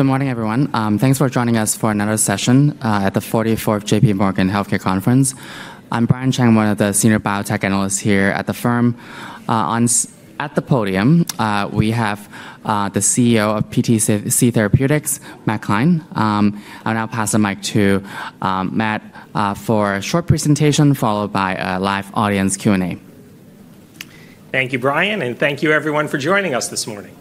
Good morning, everyone. Thanks for joining us for another session at the 44th J.P. Morgan Healthcare Conference. I'm Brian Cheng, one of the senior biotech analysts here at the firm. At the podium, we have the CEO of PTC Therapeutics, Matt Klein. I'll now pass the mic to Matt for a short presentation followed by a live audience Q&A. Thank you, Brian, and thank you, everyone, for joining us this morning.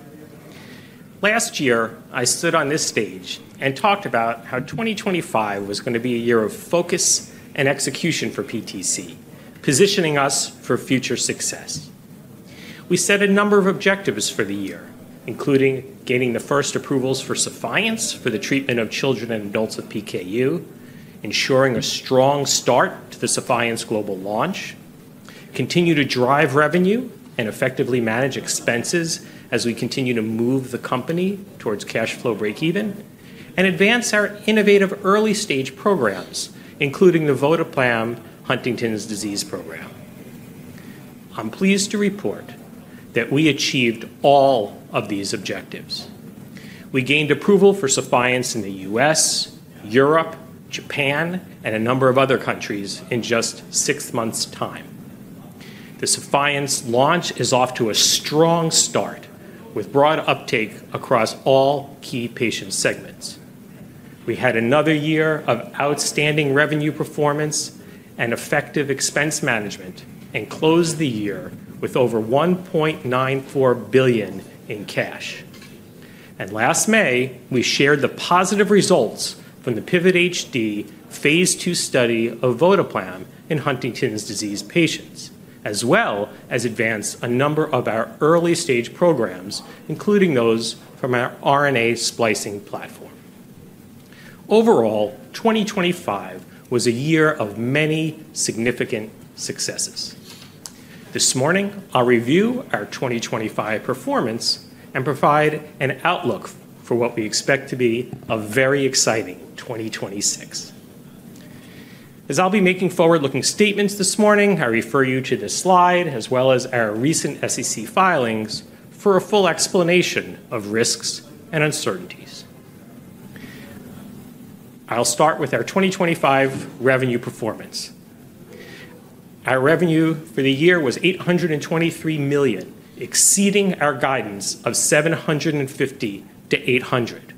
Last year, I stood on this stage and talked about how 2025 was going to be a year of focus and execution for PTC, positioning us for future success. We set a number of objectives for the year, including gaining the first approvals for Sephience for the treatment of children and adults with PKU, ensuring a strong start to the Sephience global launch, continue to drive revenue and effectively manage expenses as we continue to move the company towards cash flow breakeven, and advance our innovative early-stage programs, including the votoplam Huntington's Disease Program. I'm pleased to report that we achieved all of these objectives. We gained approval for Sephience in the US, Europe, Japan, and a number of other countries in just six months' time. The Sephience launch is off to a strong start, with broad uptake across all key patient segments. We had another year of outstanding revenue performance and effective expense management, and closed the year with over $1.94 billion in cash, and last May, we shared the positive results from the PIVOT-HD Phase 2 study of votoplam in Huntington's disease patients, as well as advanced a number of our early-stage programs, including those from our RNA splicing platform. Overall, 2025 was a year of many significant successes. This morning, I'll review our 2025 performance and provide an outlook for what we expect to be a very exciting 2026. As I'll be making forward-looking statements this morning, I refer you to this slide, as well as our recent SEC filings, for a full explanation of risks and uncertainties. I'll start with our 2025 revenue performance. Our revenue for the year was $823 million, exceeding our guidance of $750 million-$800 million.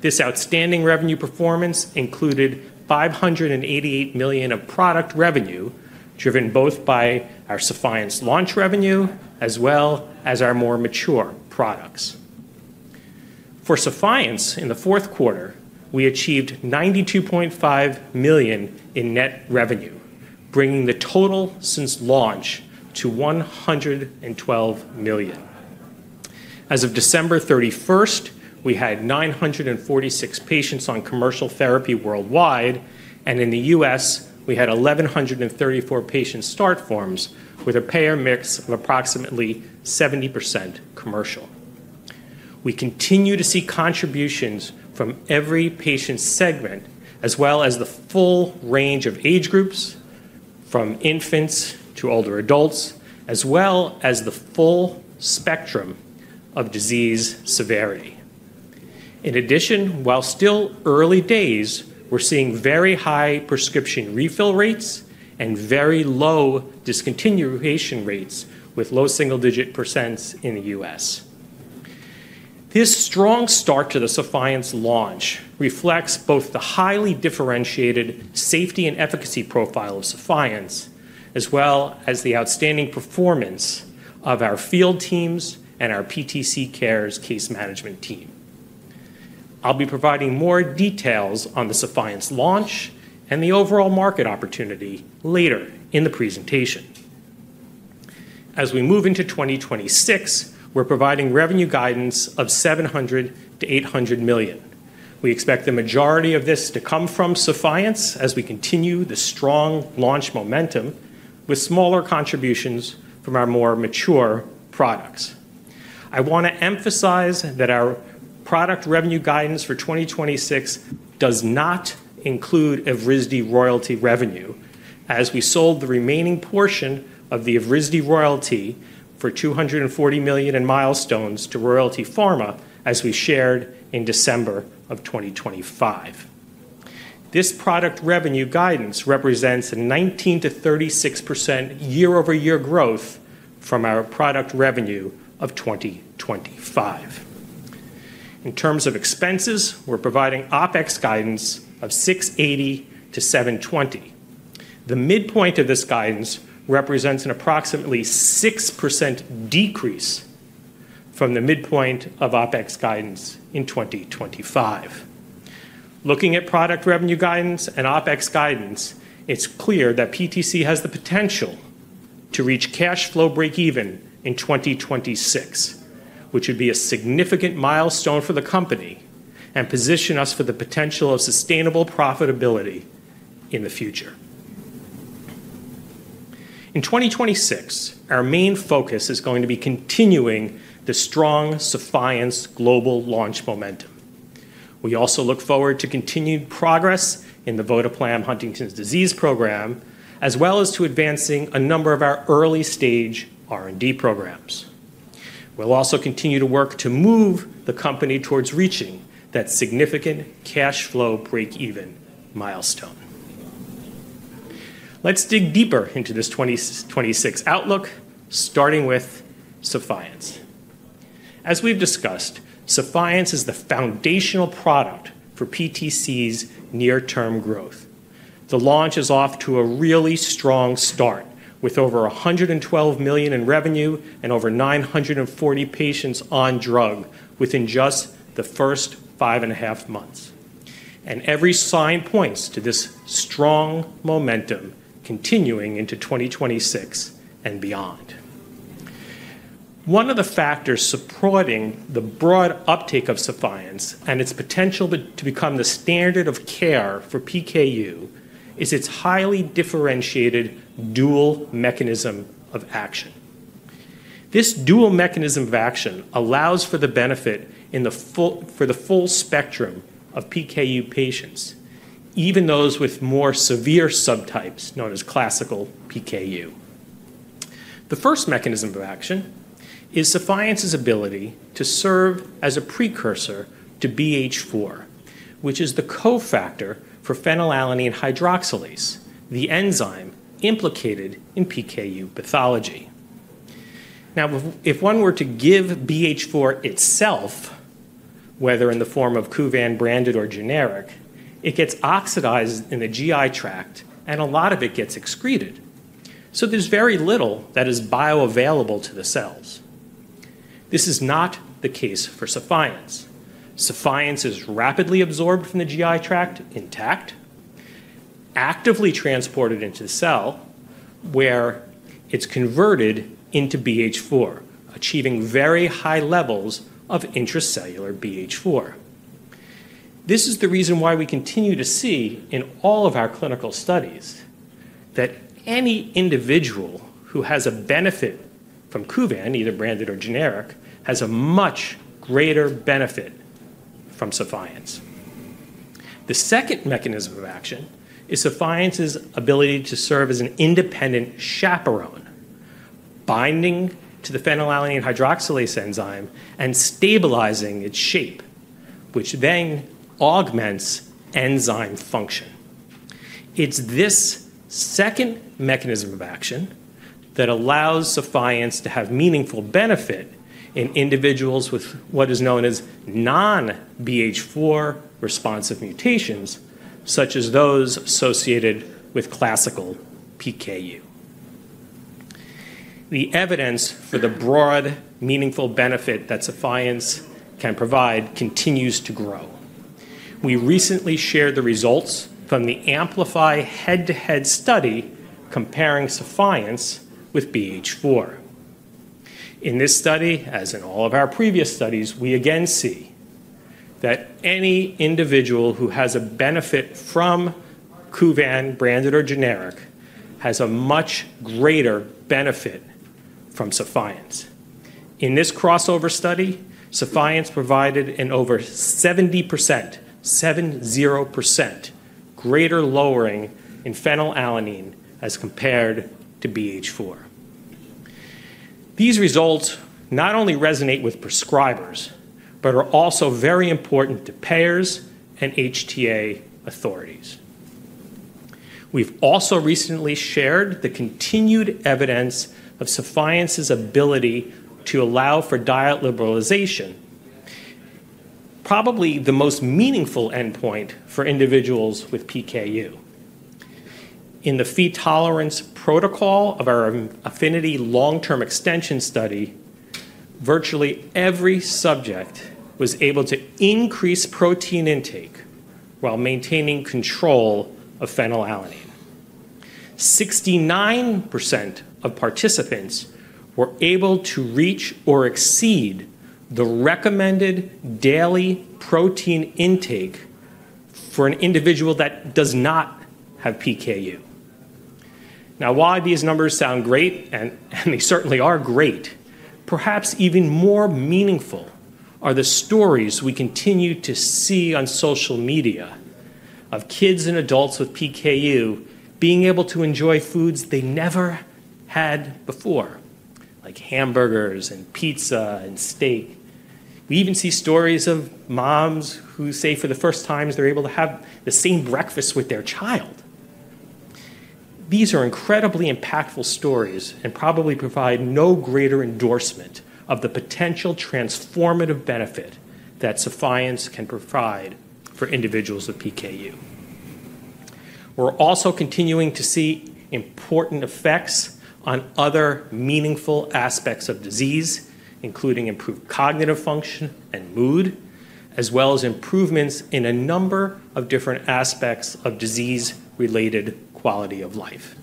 This outstanding revenue performance included $588 million of product revenue, driven both by our Sephience launch revenue as well as our more mature products. For Sephience, in the fourth quarter, we achieved $92.5 million in net revenue, bringing the total since launch to $112 million. As of December 31st, we had 946 patients on commercial therapy worldwide, and in the U.S., we had 1,134 patient start forms, with a payer mix of approximately 70% commercial. We continue to see contributions from every patient segment, as well as the full range of age groups, from infants to older adults, as well as the full spectrum of disease severity. In addition, while still early days, we're seeing very high prescription refill rates and very low discontinuation rates, with low single-digit % in the U.S. This strong start to the Sephience launch reflects both the highly differentiated safety and efficacy profile of Sephience, as well as the outstanding performance of our field teams and our PTC Cares case management team. I'll be providing more details on the Sephience launch and the overall market opportunity later in the presentation. As we move into 2026, we're providing revenue guidance of $700-$800 million. We expect the majority of this to come from Sephience as we continue the strong launch momentum, with smaller contributions from our more mature products. I want to emphasize that our product revenue guidance for 2026 does not include Evrysdi royalty revenue, as we sold the remaining portion of the Evrysdi royalty for $240 million in milestones to Royalty Pharma as we shared in December of 2025. This product revenue guidance represents a 19%-36% year-over-year growth from our product revenue of 2025. In terms of expenses, we're providing OpEx guidance of $680-$720. The midpoint of this guidance represents an approximately 6% decrease from the midpoint of OpEx guidance in 2025. Looking at product revenue guidance and OpEx guidance, it's clear that PTC has the potential to reach cash flow breakeven in 2026, which would be a significant milestone for the company and position us for the potential of sustainable profitability in the future. In 2026, our main focus is going to be continuing the strong Sephience global launch momentum. We also look forward to continued progress in the votoplam Huntington's Disease Program, as well as to advancing a number of our early-stage R&D programs. We'll also continue to work to move the company towards reaching that significant cash flow breakeven milestone. Let's dig deeper into this 2026 outlook, starting with Sephience. As we've discussed, Sephience is the foundational product for PTC's near-term growth. The launch is off to a really strong start, with over $112 million in revenue and over 940 patients on drug within just the first five and a half months, and every sign points to this strong momentum continuing into 2026 and beyond. One of the factors supporting the broad uptake of Sephience and its potential to become the standard of care for PKU is its highly differentiated dual mechanism of action. This dual mechanism of action allows for the benefit for the full spectrum of PKU patients, even those with more severe subtypes known as classical PKU. The first mechanism of action is Sephience's ability to serve as a precursor to BH4, which is the cofactor for phenylalanine hydroxylase, the enzyme implicated in PKU pathology. Now, if one were to give BH4 itself, whether in the form of Kuvan, branded, or generic, it gets oxidized in the GI tract, and a lot of it gets excreted. So there's very little that is bioavailable to the cells. This is not the case for Sephience. Sephience is rapidly absorbed from the GI tract intact, actively transported into the cell, where it's converted into BH4, achieving very high levels of intracellular BH4. This is the reason why we continue to see in all of our clinical studies that any individual who has a benefit from Kuvan, either branded or generic, has a much greater benefit from Sephience. The second mechanism of action is Sephience's ability to serve as an independent chaperone, binding to the phenylalanine hydroxylase enzyme and stabilizing its shape, which then augments enzyme function. It's this second mechanism of action that allows Sephience to have meaningful benefit in individuals with what is known as non-BH4 responsive mutations, such as those associated with classical PKU. The evidence for the broad, meaningful benefit that Sephience can provide continues to grow. We recently shared the results from the AMPLIFY head-to-head study comparing Sephience with BH4. In this study, as in all of our previous studies, we again see that any individual who has a benefit from Kuvan, Branded, or generic has a much greater benefit from Sephience. In this crossover study, Sephience provided an over 70%, 70% greater lowering in phenylalanine as compared to BH4. These results not only resonate with prescribers, but are also very important to payers and HTA authorities. We've also recently shared the continued evidence of Sephience's ability to allow for diet liberalization, probably the most meaningful endpoint for individuals with PKU. In the Phe tolerance protocol of our APHENITY long-term extension study, virtually every subject was able to increase protein intake while maintaining control of phenylalanine. 69% of participants were able to reach or exceed the recommended daily protein intake for an individual that does not have PKU. Now, while these numbers sound great, and they certainly are great, perhaps even more meaningful are the stories we continue to see on social media of kids and adults with PKU being able to enjoy foods they never had before, like hamburgers and pizza and steak. We even see stories of moms who say for the first time they're able to have the same breakfast with their child. These are incredibly impactful stories and probably provide no greater endorsement of the potential transformative benefit that Sephience can provide for individuals with PKU. We're also continuing to see important effects on other meaningful aspects of disease, including improved cognitive function and mood, as well as improvements in a number of different aspects of disease-related quality of life.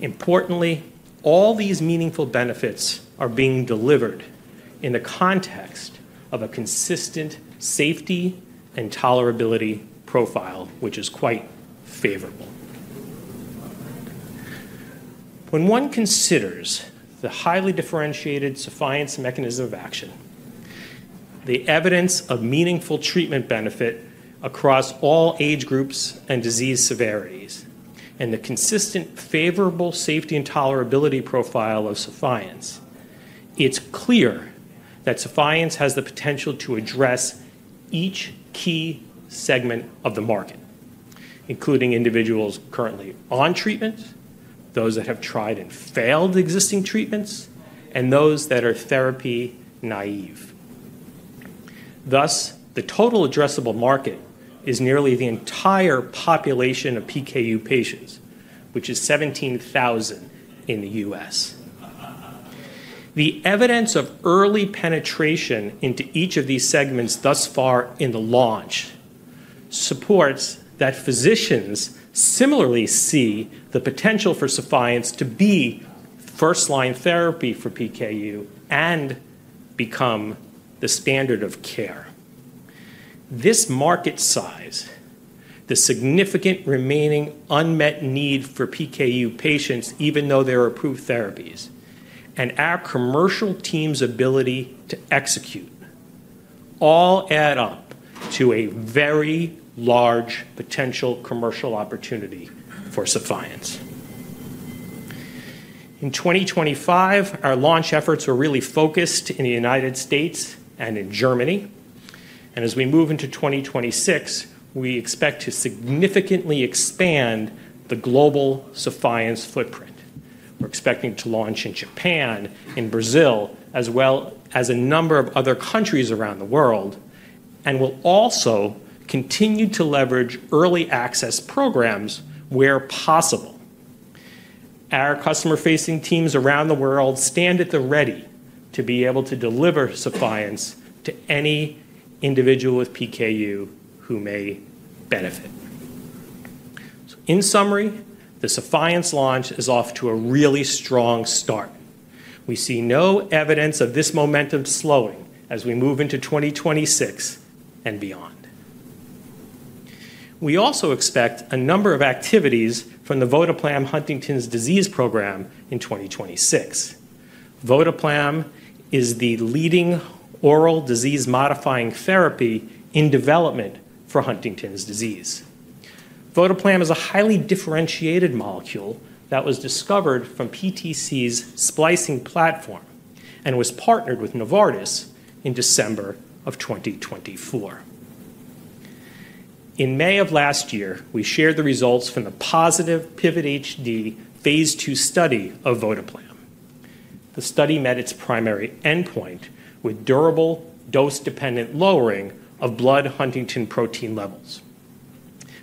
Importantly, all these meaningful benefits are being delivered in the context of a consistent safety and tolerability profile, which is quite favorable. When one considers the highly differentiated Sephience mechanism of action, the evidence of meaningful treatment benefit across all age groups and disease severities, and the consistent favorable safety and tolerability profile of Sephience, it's clear that Sephience has the potential to address each key segment of the market, including individuals currently on treatment, those that have tried and failed existing treatments, and those that are therapy naive. Thus, the total addressable market is nearly the entire population of PKU patients, which is 17,000 in the U.S. The evidence of early penetration into each of these segments thus far in the launch supports that physicians similarly see the potential for Sephience to be first-line therapy for PKU and become the standard of care. This market size, the significant remaining unmet need for PKU patients, even though there are approved therapies, and our commercial team's ability to execute all add up to a very large potential commercial opportunity for Sephience. In 2025, our launch efforts are really focused in the United States and in Germany, and as we move into 2026, we expect to significantly expand the global Sephience footprint. We're expecting to launch in Japan, in Brazil, as well as a number of other countries around the world, and will also continue to leverage early access programs where possible. Our customer-facing teams around the world stand at the ready to be able to deliver Sephience to any individual with PKU who may benefit. In summary, the Sephience launch is off to a really strong start. We see no evidence of this momentum slowing as we move into 2026 and beyond. We also expect a number of activities from the votoplam Huntington's Disease Program in 2026. Votoplam is the leading oral disease-modifying therapy in development for Huntington's disease. Votoplam is a highly differentiated molecule that was discovered from PTC's splicing platform and was partnered with Novartis in December of 2024. In May of last year, we shared the results from the positive PIVOT-HD Phase 2 study of votoplam. The study met its primary endpoint with durable dose-dependent lowering of blood Huntingtin protein levels.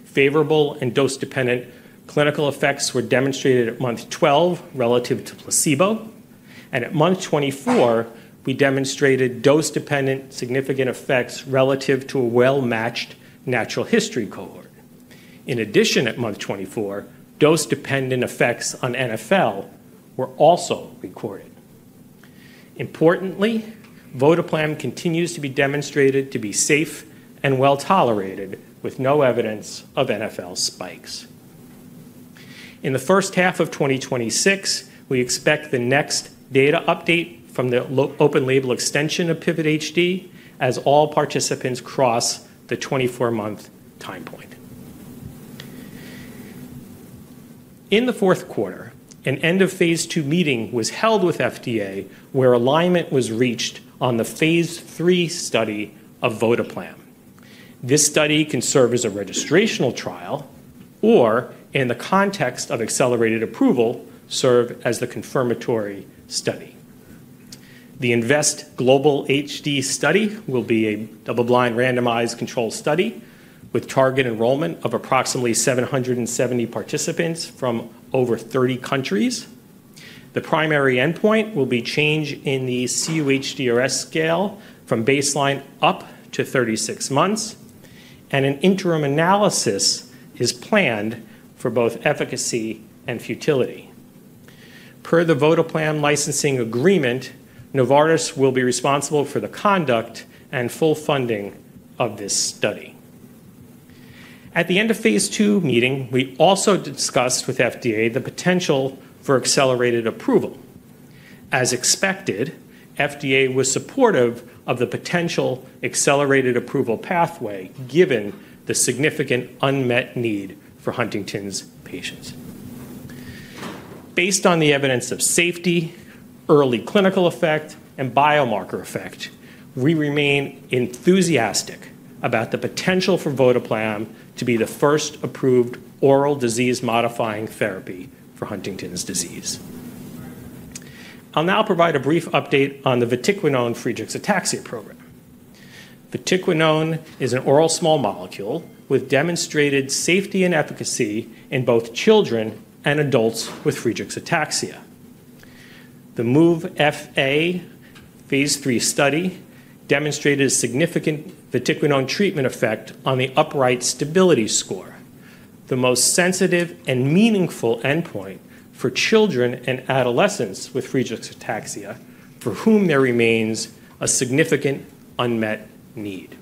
Favorable and dose-dependent clinical effects were demonstrated at month 12 relative to placebo, and at month 24, we demonstrated dose-dependent significant effects relative to a well-matched natural history cohort. In addition, at month 24, dose-dependent effects on NfL were also recorded. Importantly, votoplam continues to be demonstrated to be safe and well tolerated, with no evidence of NfL spikes. In the first half of 2026, we expect the next data update from the open-label extension of PIVOT-HD as all participants cross the 24-month time point. In the fourth quarter, an end-of-Phase 2 meeting was held with FDA where alignment was reached on the Phase 3 study of votoplam. This study can serve as a registrational trial or, in the context of accelerated approval, serve as the confirmatory study. The Invest Global HD study will be a double-blind randomized controlled study with target enrollment of approximately 770 participants from over 30 countries. The primary endpoint will be change in the cUHDRS scale from baseline up to 36 months, and an interim analysis is planned for both efficacy and futility. Per the votoplam licensing agreement, Novartis will be responsible for the conduct and full funding of this study. At the end of Phase 2 meeting, we also discussed with FDA the potential for accelerated approval. As expected, FDA was supportive of the potential accelerated approval pathway given the significant unmet need for Huntington's patients. Based on the evidence of safety, early clinical effect, and biomarker effect, we remain enthusiastic about the potential for votoplam to be the first approved oral disease-modifying therapy for Huntington's disease. I'll now provide a brief update on the vatiquinone-Friedreich's ataxia program. Vatiquinone is an oral small molecule with demonstrated safety and efficacy in both children and adults with Friedreich's ataxia. The MOVE-FA Phase 3 study demonstrated a significant vatiquinone treatment effect on the upright stability score, the most sensitive and meaningful endpoint for children and adolescents with Friedreich's ataxia for whom there remains a significant unmet need.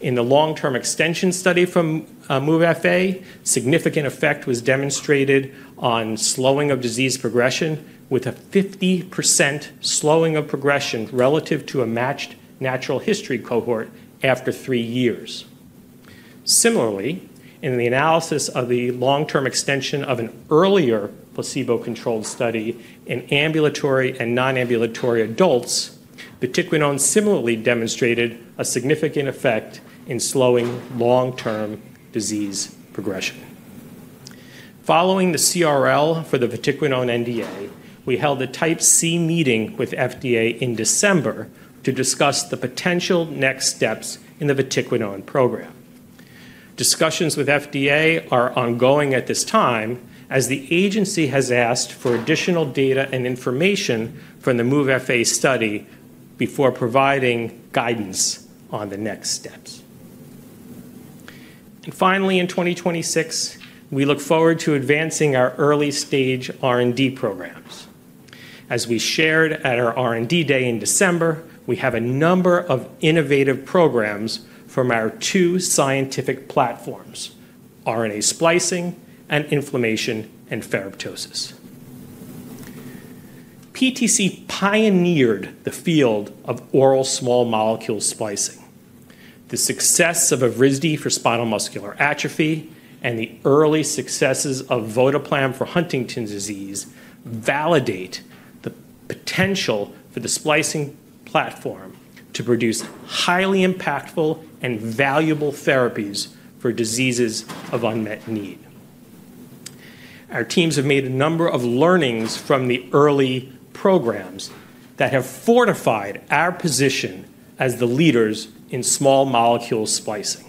In the long-term extension study from MOVE-FA, significant effect was demonstrated on slowing of disease progression with a 50% slowing of progression relative to a matched natural history cohort after three years. Similarly, in the analysis of the long-term extension of an earlier placebo-controlled study in ambulatory and non-ambulatory adults, vatiquinone similarly demonstrated a significant effect in slowing long-term disease progression. Following the CRL for the vatiquinone NDA, we held a type C meeting with FDA in December to discuss the potential next steps in the vatiquinone program. Discussions with FDA are ongoing at this time as the agency has asked for additional data and information from the MOVE-FA study before providing guidance on the next steps. And finally, in 2026, we look forward to advancing our early-stage R&D programs. As we shared at our R&D day in December, we have a number of innovative programs from our two scientific platforms, RNA splicing and autophagy. PTC pioneered the field of oral small molecule splicing. The success of Evrysdi for spinal muscular atrophy and the early successes of votoplam for Huntington's disease validate the potential for the splicing platform to produce highly impactful and valuable therapies for diseases of unmet need. Our teams have made a number of learnings from the early programs that have fortified our position as the leaders in small molecule splicing.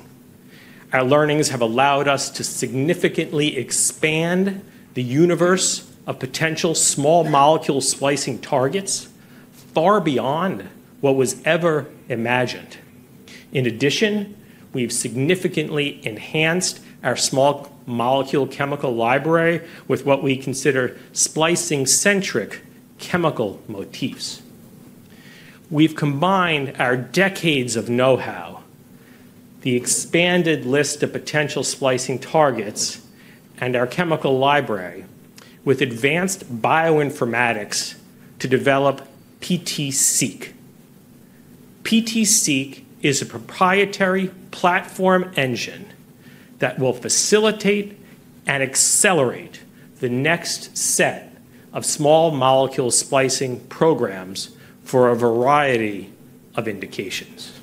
Our learnings have allowed us to significantly expand the universe of potential small molecule splicing targets far beyond what was ever imagined. In addition, we've significantly enhanced our small molecule chemical library with what we consider splicing-centric chemical motifs. We've combined our decades of know-how, the expanded list of potential splicing targets, and our chemical library with advanced bioinformatics to develop PTCeq. PTCeq is a proprietary platform engine that will facilitate and accelerate the next set of small molecule splicing programs for a variety of indications.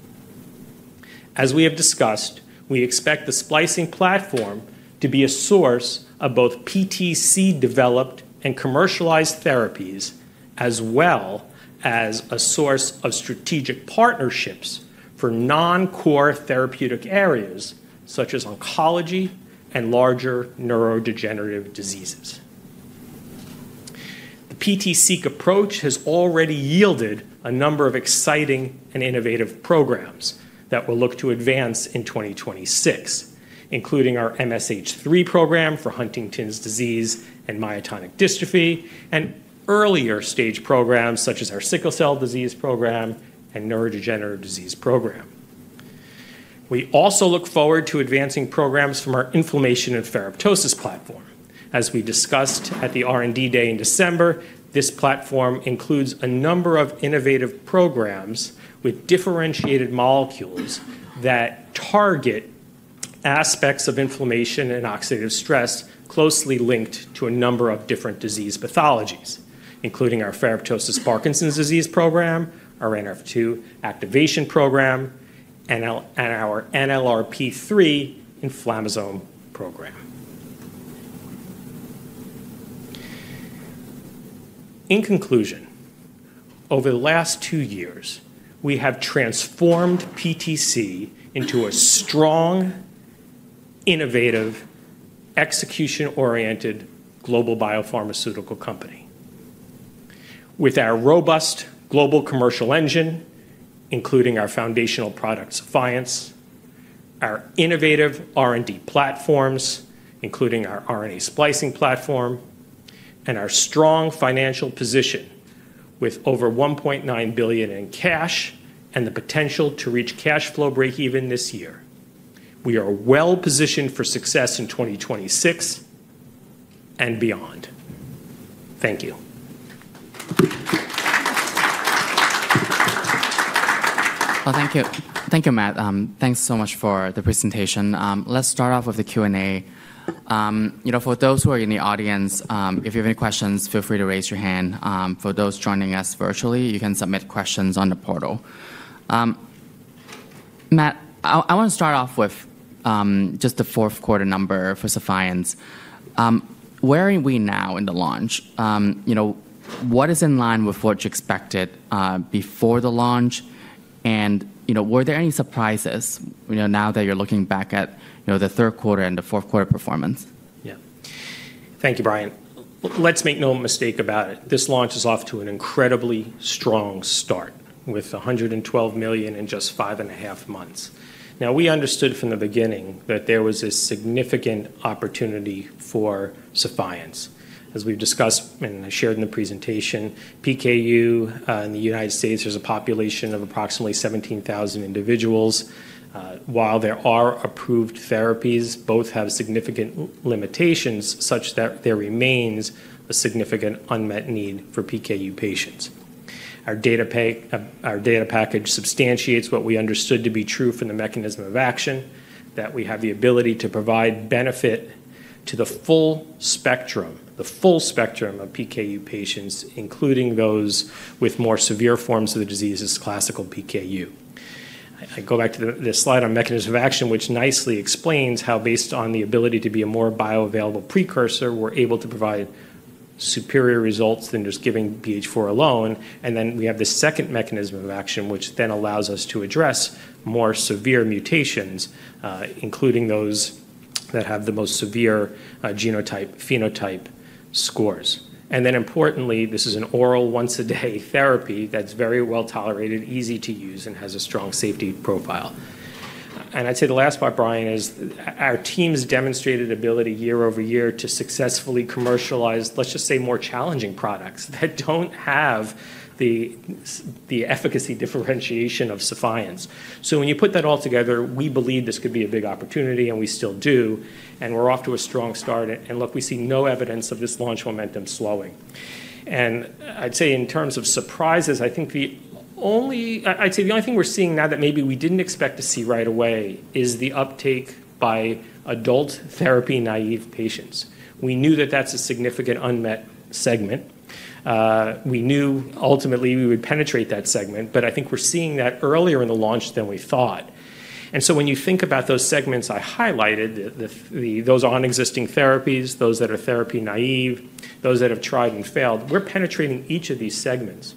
As we have discussed, we expect the splicing platform to be a source of both PTC-developed and commercialized therapies, as well as a source of strategic partnerships for non-core therapeutic areas such as oncology and larger neurodegenerative diseases. The PTCeq approach has already yielded a number of exciting and innovative programs that will look to advance in 2026, including our MSH3 program for Huntington's disease and myotonic dystrophy, and earlier stage programs such as our Sickle cell disease program and neurodegenerative disease program. We also look forward to advancing programs from our inflammation and fibrosis platform. As we discussed at the R&D day in December, this platform includes a number of innovative programs with differentiated molecules that target aspects of inflammation and oxidative stress closely linked to a number of different disease pathologies, including our fibrosis-Parkinson's disease program, our NRF2 activation program, and our NLRP3 inflammasome program. In conclusion, over the last two years, we have transformed PTC into a strong, innovative, execution-oriented global biopharmaceutical company. With our robust global commercial engine, including our foundational product Sephience, our innovative R&D platforms, including our RNA splicing platform, and our strong financial position with over $1.9 billion in cash and the potential to reach cash flow breakeven this year, we are well positioned for success in 2026 and beyond. Thank you. Well, thank you. Thank you, Matt. Thanks so much for the presentation. Let's start off with the Q&A. For those who are in the audience, if you have any questions, feel free to raise your hand. For those joining us virtually, you can submit questions on the portal. Matt, I want to start off with just the fourth quarter number for Sephience. Where are we now in the launch? What is in line with what you expected before the launch? Were there any surprises now that you're looking back at the third quarter and the fourth quarter performance? Yeah. Thank you, Brian. Let's make no mistake about it. This launch is off to an incredibly strong start with $112 million in just five and a half months. Now, we understood from the beginning that there was a significant opportunity for Sephience. As we've discussed and shared in the presentation, PKU in the United States, there's a population of approximately 17,000 individuals. While there are approved therapies, both have significant limitations such that there remains a significant unmet need for PKU patients. Our data package substantiates what we understood to be true from the mechanism of action, that we have the ability to provide benefit to the full spectrum, the full spectrum of PKU patients, including those with more severe forms of the disease as classical PKU. I go back to this slide on mechanism of action, which nicely explains how, based on the ability to be a more bioavailable precursor, we're able to provide superior results than just giving BH4 alone. And then we have the second mechanism of action, which then allows us to address more severe mutations, including those that have the most severe genotype-phenotype scores. And then, importantly, this is an oral once-a-day therapy that's very well tolerated, easy to use, and has a strong safety profile. And I'd say the last part, Brian, is our team's demonstrated ability year over year to successfully commercialize, let's just say, more challenging products that don't have the efficacy differentiation of Sephience. So when you put that all together, we believe this could be a big opportunity, and we still do. And we're off to a strong start. And look, we see no evidence of this launch momentum slowing. And I'd say in terms of surprises, I think the only—I'd say the only thing we're seeing now that maybe we didn't expect to see right away is the uptake by adult therapy naive patients. We knew that that's a significant unmet segment. We knew ultimately we would penetrate that segment, but I think we're seeing that earlier in the launch than we thought. And so when you think about those segments I highlighted, those on existing therapies, those that are therapy naive, those that have tried and failed, we're penetrating each of these segments.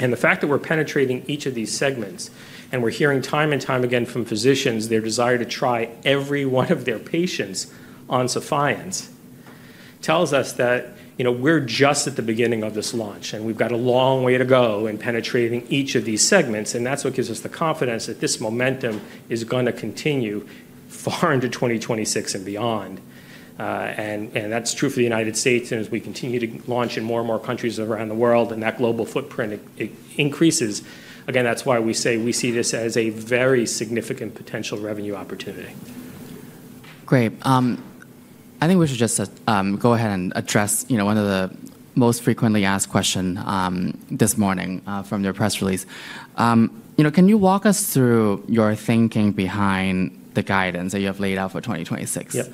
And the fact that we're penetrating each of these segments, and we're hearing time and time again from physicians their desire to try every one of their patients on Sephience tells us that we're just at the beginning of this launch, and we've got a long way to go in penetrating each of these segments. And that's what gives us the confidence that this momentum is going to continue far into 2026 and beyond. And that's true for the United States. And as we continue to launch in more and more countries around the world, and that global footprint increases, again, that's why we say we see this as a very significant potential revenue opportunity. Great. I think we should just go ahead and address one of the most frequently asked questions this morning from your press release. Can you walk us through your thinking behind the guidance that you have laid out for 2026? Yeah.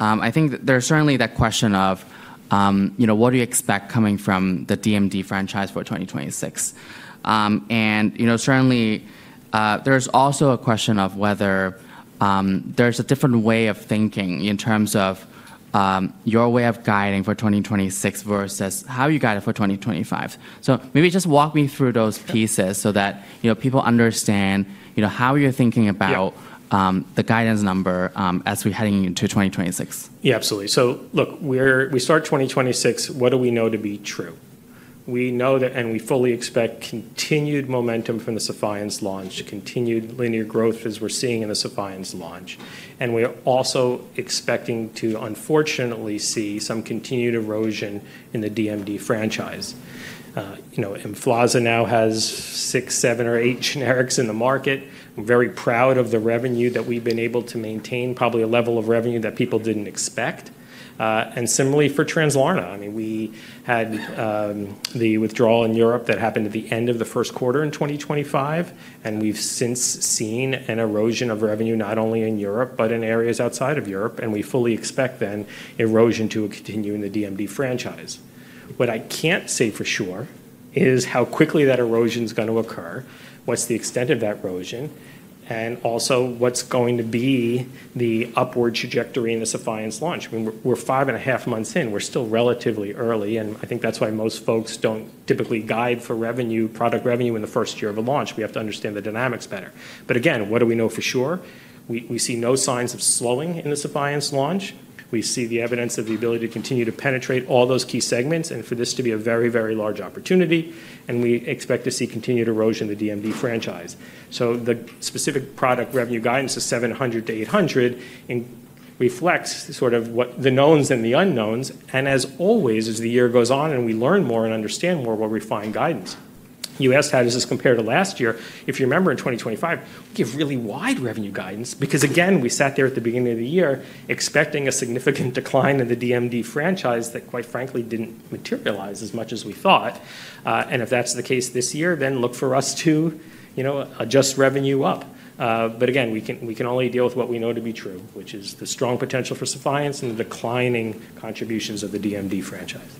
I think there's certainly that question of, what do you expect coming from the DMD franchise for 2026? And certainly, there's also a question of whether there's a different way of thinking in terms of your way of guiding for 2026 versus how you guide it for 2025. So maybe just walk me through those pieces so that people understand how you're thinking about the guidance number as we're heading into 2026. Yeah, absolutely. So look, we start 2026. What do we know to be true? We know that, and we fully expect continued momentum from the Sephience launch, continued linear growth as we're seeing in the Sephience launch. And we are also expecting to, unfortunately, see some continued erosion in the DMD franchise. Emflaza now has six, seven, or eight generics in the market. We're very proud of the revenue that we've been able to maintain, probably a level of revenue that people didn't expect. And similarly for Translarna. I mean, we had the withdrawal in Europe that happened at the end of the first quarter in 2025. And we've since seen an erosion of revenue not only in Europe, but in areas outside of Europe. And we fully expect then erosion to continue in the DMD franchise. What I can't say for sure is how quickly that erosion is going to occur, what's the extent of that erosion, and also what's going to be the upward trajectory in the Sephience launch. I mean, we're five and a half months in. We're still relatively early. And I think that's why most folks don't typically guide for revenue, product revenue in the first year of a launch. We have to understand the dynamics better. But again, what do we know for sure? We see no signs of slowing in the Sephience launch. We see the evidence of the ability to continue to penetrate all those key segments and for this to be a very, very large opportunity. And we expect to see continued erosion in the DMD franchise. So the specific product revenue guidance is $700 million-$800 million and reflects sort of what the knowns and the unknowns. As always, as the year goes on and we learn more and understand more, we'll refine guidance. You asked, how does this compare to last year? If you remember in 2025, we gave really wide revenue guidance because, again, we sat there at the beginning of the year expecting a significant decline in the DMD franchise that, quite frankly, didn't materialize as much as we thought. And if that's the case this year, then look for us to adjust revenue up. But again, we can only deal with what we know to be true, which is the strong potential for Sephience and the declining contributions of the DMD franchise.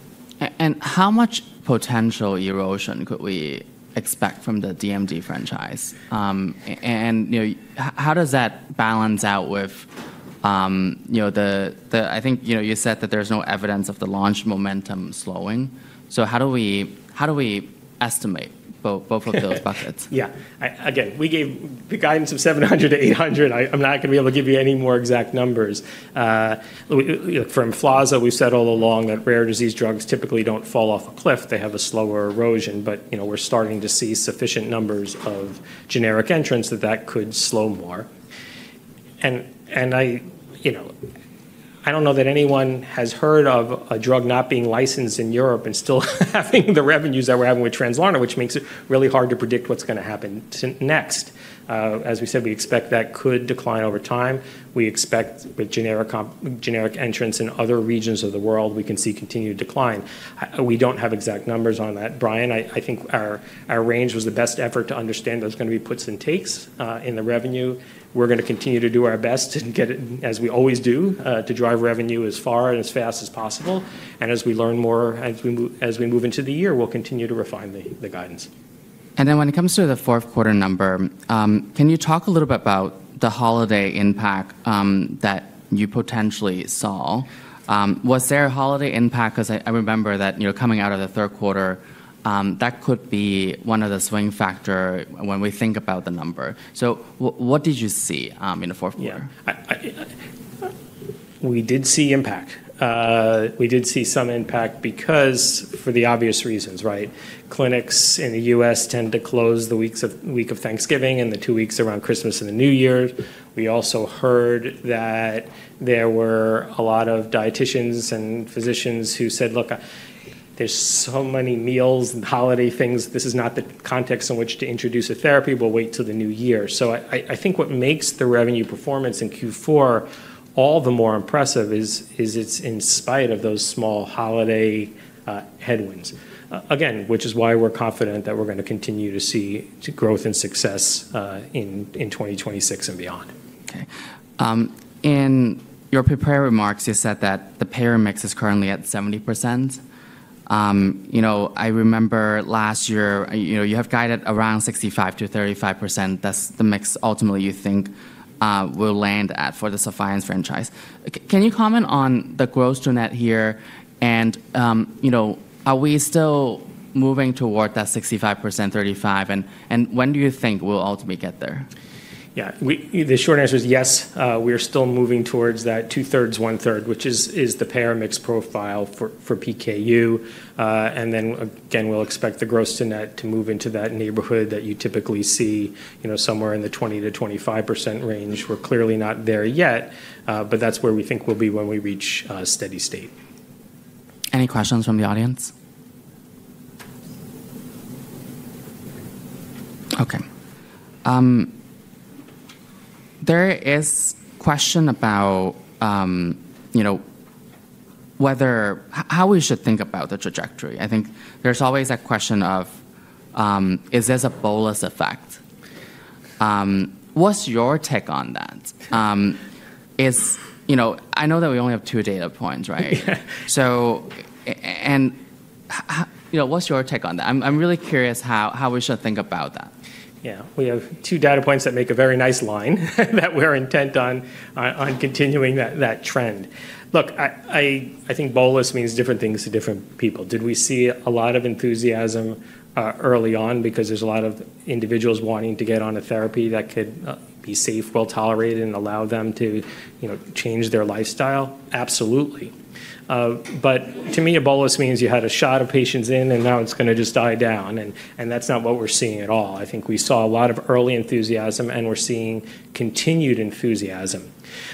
And how much potential erosion could we expect from the DMD franchise? And how does that balance out with the - I think you said that there's no evidence of the launch momentum slowing. So how do we estimate both of those buckets? Yeah. Again, we gave guidance of 700-800. I'm not going to be able to give you any more exact numbers. From Emflaza, we said all along that rare disease drugs typically don't fall off a cliff. They have a slower erosion. We're starting to see sufficient numbers of generic entrants that that could slow more. I don't know that anyone has heard of a drug not being licensed in Europe and still having the revenues that we're having with Translarna, which makes it really hard to predict what's going to happen next. As we said, we expect that could decline over time. We expect with generic entrants in other regions of the world, we can see continued decline. We don't have exact numbers on that. Brian, I think our range was the best effort to understand there's going to be puts and takes in the revenue. We're going to continue to do our best and get it, as we always do, to drive revenue as far and as fast as possible. And as we learn more, as we move into the year, we'll continue to refine the guidance. And then when it comes to the fourth quarter number, can you talk a little bit about the holiday impact that you potentially saw? Was there a holiday impact? Because I remember that coming out of the third quarter, that could be one of the swing factors when we think about the number. So what did you see in the fourth quarter? We did see impact. We did see some impact because for the obvious reasons, right? Clinics in the U.S. tend to close the week of Thanksgiving and the two weeks around Christmas and the New Year. We also heard that there were a lot of dietitians and physicians who said, "Look, there's so many meals and holiday things. This is not the context in which to introduce a therapy. We'll wait till the new year." So I think what makes the revenue performance in Q4 all the more impressive is it's in spite of those small holiday headwinds, again, which is why we're confident that we're going to continue to see growth and success in 2026 and beyond. Okay. In your prepared remarks, you said that the payer mix is currently at 70%. I remember last year, you have guided around 65%-35%. That's the mix ultimately you think will land at for the Sephience franchise. Can you comment on the growth journey here? And are we still moving toward that 65%-35%? And when do you think we'll ultimately get there? Yeah. The short answer is yes. We are still moving towards that two-thirds, one-third, which is the payer mix profile for PKU. And then, again, we'll expect the gross to net to move into that neighborhood that you typically see somewhere in the 20%-25% range. We're clearly not there yet, but that's where we think we'll be when we reach steady state. Any questions from the audience? Okay. There is a question about how we should think about the trajectory. I think there's always that question of, is this a bolus effect? What's your take on that? I know that we only have two data points, right? And what's your take on that? I'm really curious how we should think about that. Yeah. We have two data points that make a very nice line that we're intent on continuing that trend. Look, I think bolus means different things to different people. Did we see a lot of enthusiasm early on because there's a lot of individuals wanting to get on a therapy that could be safe, well-tolerated, and allow them to change their lifestyle? Absolutely. But to me, a bolus means you had a shot of patients in, and now it's going to just die down. And that's not what we're seeing at all. I think we saw a lot of early enthusiasm, and we're seeing continued enthusiasm.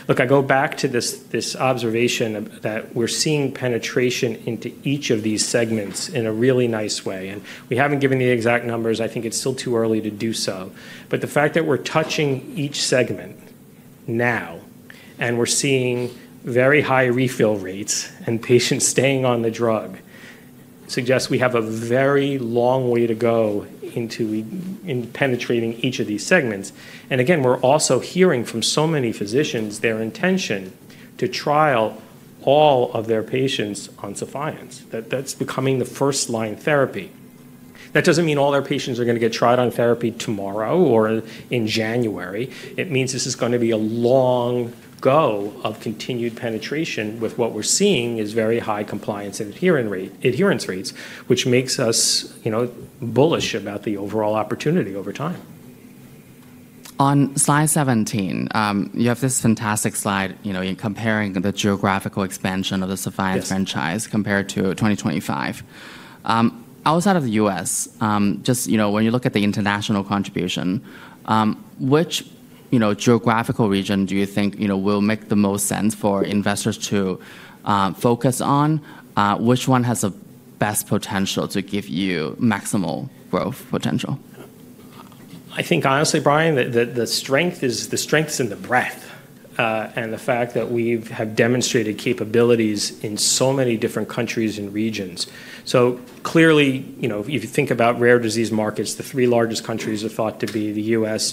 Look, I go back to this observation that we're seeing penetration into each of these segments in a really nice way. And we haven't given the exact numbers. I think it's still too early to do so. But the fact that we're touching each segment now and we're seeing very high refill rates and patients staying on the drug suggests we have a very long way to go into penetrating each of these segments. And again, we're also hearing from so many physicians their intention to trial all of their patients on Sephience. That's becoming the first-line therapy. That doesn't mean all our patients are going to get tried on therapy tomorrow or in January. It means this is going to be a long go of continued penetration with what we're seeing is very high compliance and adherence rates, which makes us bullish about the overall opportunity over time. On slide 17, you have this fantastic slide in comparing the geographical expansion of the Sephience franchise compared to 2025. Outside of the U.S., just when you look at the international contribution, which geographical region do you think will make the most sense for investors to focus on? Which one has the best potential to give you maximal growth potential? I think, honestly, Brian, the strength is in the breadth and the fact that we have demonstrated capabilities in so many different countries and regions, so clearly, if you think about rare disease markets, the three largest countries are thought to be the U.S.,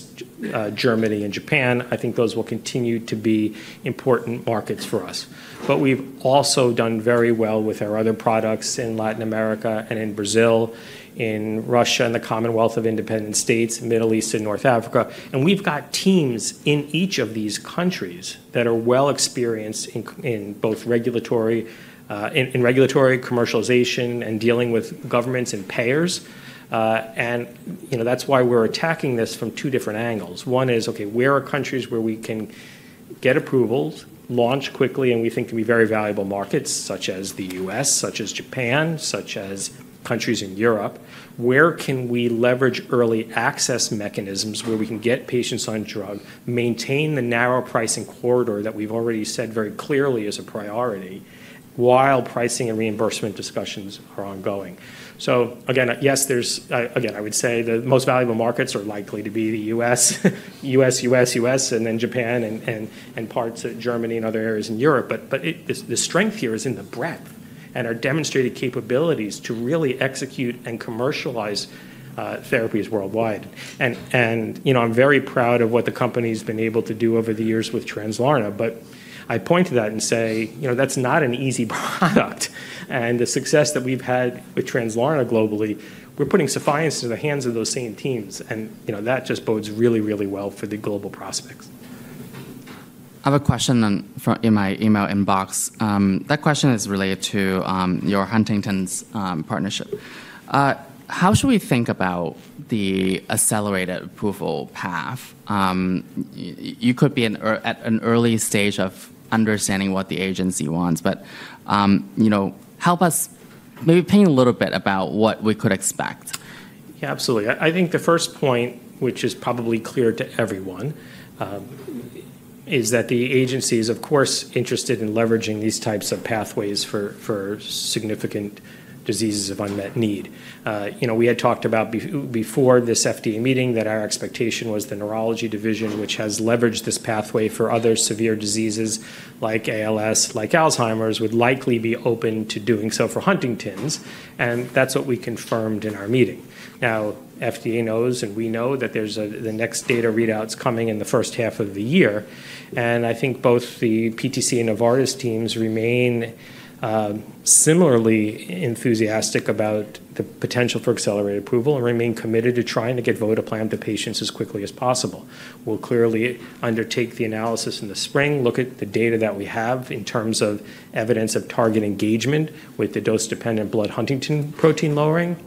Germany, and Japan. I think those will continue to be important markets for us, but we've also done very well with our other products in Latin America and in Brazil, in Russia, and the Commonwealth of Independent States, Middle East, and North Africa, and we've got teams in each of these countries that are well experienced in both regulatory commercialization and dealing with governments and payers, and that's why we're attacking this from two different angles. One is, okay, where are countries where we can get approvals, launch quickly, and we think can be very valuable markets, such as the U.S., such as Japan, such as countries in Europe? Where can we leverage early access mechanisms where we can get patients on drug, maintain the narrow pricing corridor that we've already said very clearly is a priority while pricing and reimbursement discussions are ongoing? So, again, yes, there's again, I would say the most valuable markets are likely to be the U.S., and then Japan and parts of Germany and other areas in Europe. But the strength here is in the breadth and our demonstrated capabilities to really execute and commercialize therapies worldwide, and I'm very proud of what the company has been able to do over the years with Translarna. But I point to that and say that's not an easy product. The success that we've had with Translarna globally, we're putting Sephience into the hands of those same teams. That just bodes really, really well for the global prospects. I have a question in my email inbox. That question is related to your Huntington's partnership. How should we think about the accelerated approval path? You could be at an early stage of understanding what the agency wants. But help us maybe paint a little bit about what we could expect? Yeah, absolutely. I think the first point, which is probably clear to everyone, is that the agency is, of course, interested in leveraging these types of pathways for significant diseases of unmet need. We had talked about before this FDA meeting that our expectation was the neurology division, which has leveraged this pathway for other severe diseases like ALS, like Alzheimer's, would likely be open to doing so for Huntington's. And that's what we confirmed in our meeting. Now, FDA knows and we know that the next data readouts coming in the first half of the year. And I think both the PTC and Novartis teams remain similarly enthusiastic about the potential for accelerated approval and remain committed to trying to get votoplam to patients as quickly as possible. We'll clearly undertake the analysis in the spring, look at the data that we have in terms of evidence of target engagement with the dose-dependent blood Huntingtin protein lowering,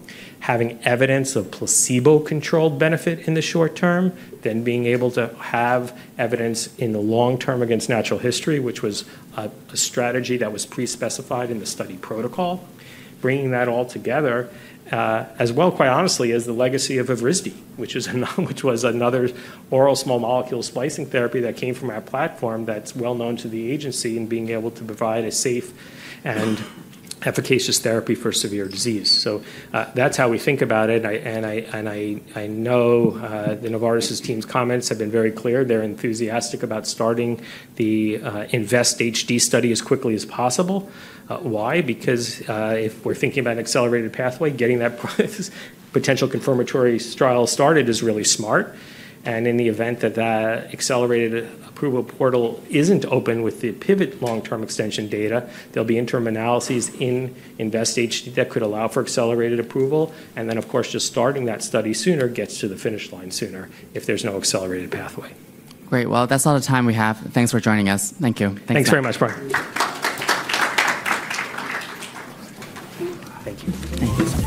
having evidence of placebo-controlled benefit in the short term, then being able to have evidence in the long term against natural history, which was a strategy that was pre-specified in the study protocol, bringing that all together as well, quite honestly, as the legacy of Evrysdi, which was another oral small molecule splicing therapy that came from our platform that's well known to the agency and being able to provide a safe and efficacious therapy for severe disease. So that's how we think about it. And I know the Novartis team's comments have been very clear. They're enthusiastic about starting the PROOF-HD study as quickly as possible. Why? Because if we're thinking about an accelerated pathway, getting that potential confirmatory trial started is really smart. And in the event that that accelerated approval portal isn't open with the PIVOT long-term extension data, there'll be interim analyses in Invest HD that could allow for accelerated approval. And then, of course, just starting that study sooner gets to the finish line sooner if there's no accelerated pathway. Great. Well, that's all the time we have. Thanks for joining us. Thank you. Thanks very much, Brian. Thank you. Thank you so much.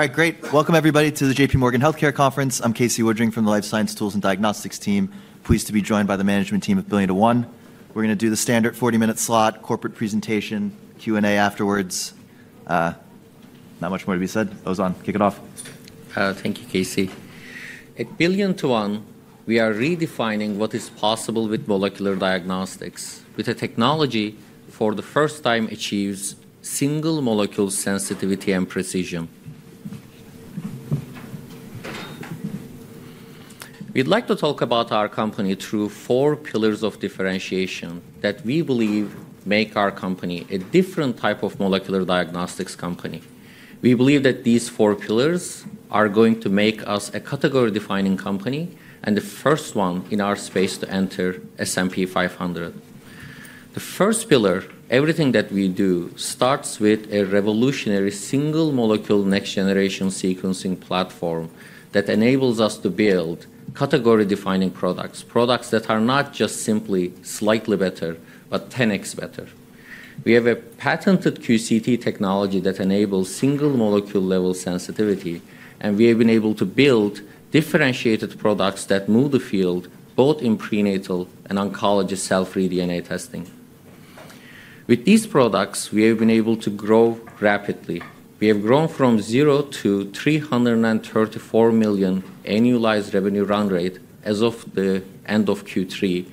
All right, great. Welcome, everybody, to the J.P. Morgan Healthcare Conference. I'm Casey Woodring from the Life Science Tools and Diagnostics team, pleased to be joined by the management team of BillionToOne. We're going to do the standard 40-minute slot, corporate presentation, Q&A afterwards. Not much more to be said. Oguzhan, kick it off. Thank you, Casey. At BillionToOne, we are redefining what is possible with molecular diagnostics, with a technology for the first time achieves single molecule sensitivity and precision. We'd like to talk about our company through four pillars of differentiation that we believe make our company a different type of molecular diagnostics company. We believe that these four pillars are going to make us a category-defining company and the first one in our space to enter S&P 500. The first pillar, everything that we do, starts with a revolutionary single molecule next-generation sequencing platform that enables us to build category-defining products, products that are not just simply slightly better, but 10x better. We have a patented QCT technology that enables single molecule-level sensitivity. And we have been able to build differentiated products that move the field both in prenatal and oncology cell-free DNA testing. With these products, we have been able to grow rapidly. We have grown from 0 to 334 million annualized revenue run rate as of the end of Q3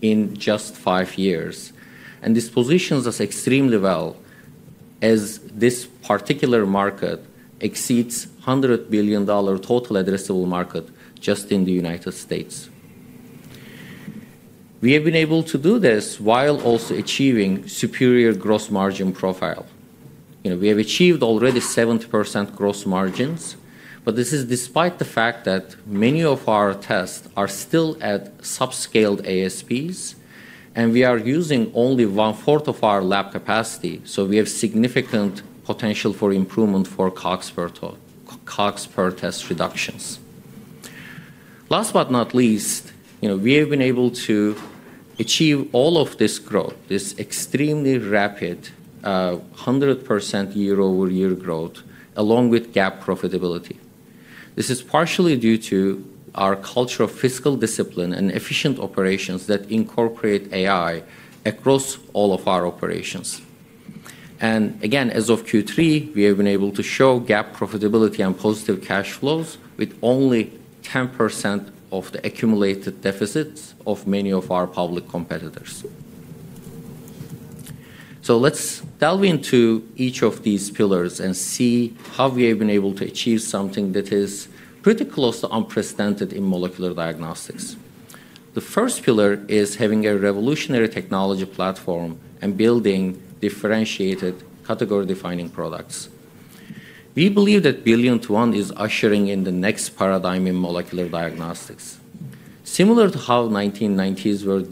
in just five years, and this positions us extremely well as this particular market exceeds $100 billion total addressable market just in the United States. We have been able to do this while also achieving superior gross margin profile. We have achieved already 70% gross margins, but this is despite the fact that many of our tests are still at subscaled ASPs, and we are using only one-fourth of our lab capacity, so we have significant potential for improvement for COGS per test reductions. Last but not least, we have been able to achieve all of this growth, this extremely rapid 100% year-over-year growth, along with GAAP profitability. This is partially due to our culture of fiscal discipline and efficient operations that incorporate AI across all of our operations and again, as of Q3, we have been able to show GAAP profitability and positive cash flows with only 10% of the accumulated deficits of many of our public competitors, so let's delve into each of these pillars and see how we have been able to achieve something that is pretty close to unprecedented in molecular diagnostics. The first pillar is having a revolutionary technology platform and building differentiated category-defining products. We believe that BillionToOne is ushering in the next paradigm in molecular diagnostics, similar to how the 1990s were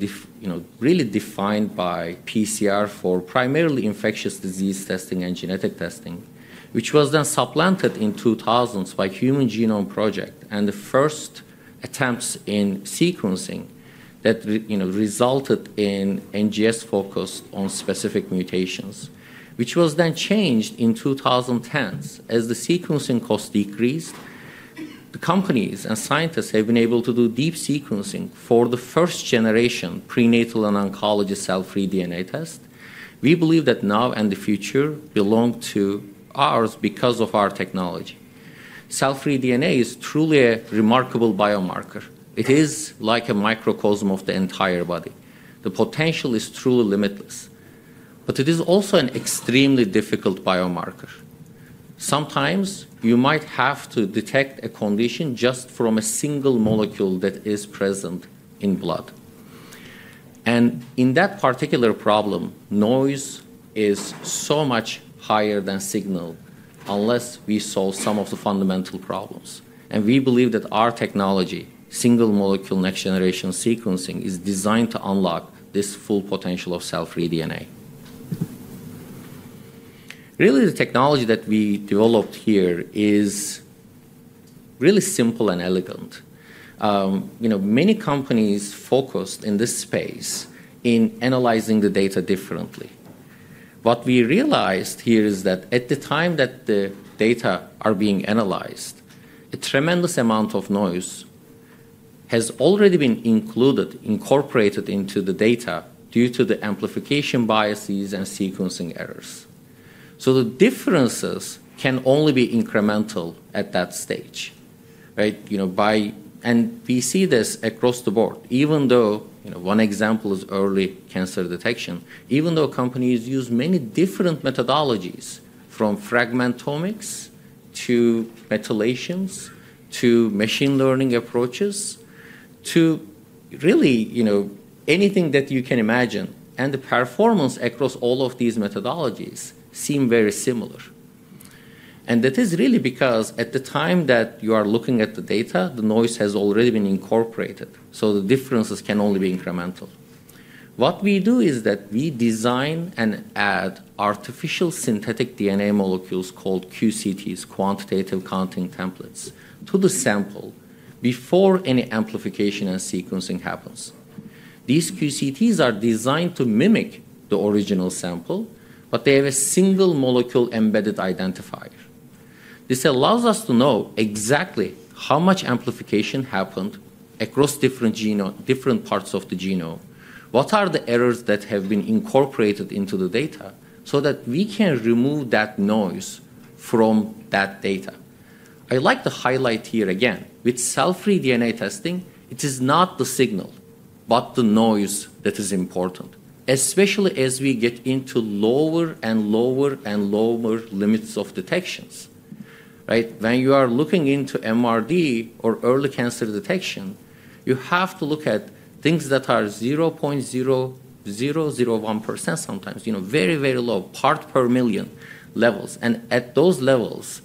really defined by PCR for primarily infectious disease testing and genetic testing, which was then supplanted in the 2000s by the Human Genome Project and the first attempts in sequencing that resulted in NGS focus on specific mutations, which was then changed in the 2010s as the sequencing cost decreased. The companies and scientists have been able to do deep sequencing for the first-generation prenatal and oncology cfDNA test. We believe that now and the future belong to ours because of our technology. cfDNA is truly a remarkable biomarker. It is like a microcosm of the entire body. The potential is truly limitless. But it is also an extremely difficult biomarker. Sometimes you might have to detect a condition just from a single molecule that is present in blood. In that particular problem, noise is so much higher than signal unless we solve some of the fundamental problems. We believe that our technology, single molecule next-generation sequencing, is designed to unlock this full potential of cell-free DNA. Really, the technology that we developed here is really simple and elegant. Many companies focused in this space in analyzing the data differently. What we realized here is that at the time that the data are being analyzed, a tremendous amount of noise has already been included, incorporated into the data due to the amplification biases and sequencing errors. So the differences can only be incremental at that stage. We see this across the board. Even though one example is early cancer detection, even though companies use many different methodologies, from fragmentomics to methylations to machine learning approaches to really anything that you can imagine, and the performance across all of these methodologies seem very similar, and that is really because at the time that you are looking at the data, the noise has already been incorporated, so the differences can only be incremental. What we do is that we design and add artificial synthetic DNA molecules called QCTs, quantitative counting templates, to the sample before any amplification and sequencing happens. These QCTs are designed to mimic the original sample, but they have a single molecule embedded identifier. This allows us to know exactly how much amplification happened across different parts of the genome, what are the errors that have been incorporated into the data so that we can remove that noise from that data. I'd like to highlight here again with cfDNA testing. It is not the signal, but the noise that is important, especially as we get into lower and lower and lower limits of detection. When you are looking into MRD or early cancer detection, you have to look at things that are 0.0001% sometimes, very, very low, part per million levels. And at those levels,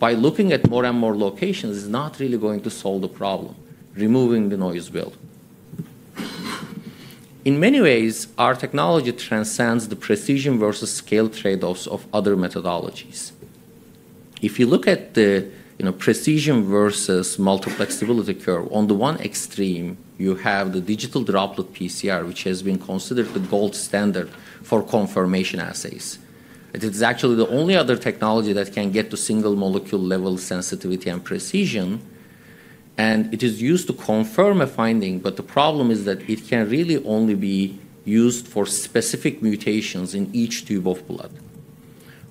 by looking at more and more locations, it's not really going to solve the problem, removing the noise floor. In many ways, our technology transcends the precision versus scale trade-offs of other methodologies. If you look at the precision versus multiplexability curve, on the one extreme, you have the Digital Droplet PCR, which has been considered the gold standard for confirmation assays. It is actually the only other technology that can get to single molecule-level sensitivity and precision. And it is used to confirm a finding. But the problem is that it can really only be used for specific mutations in each tube of blood.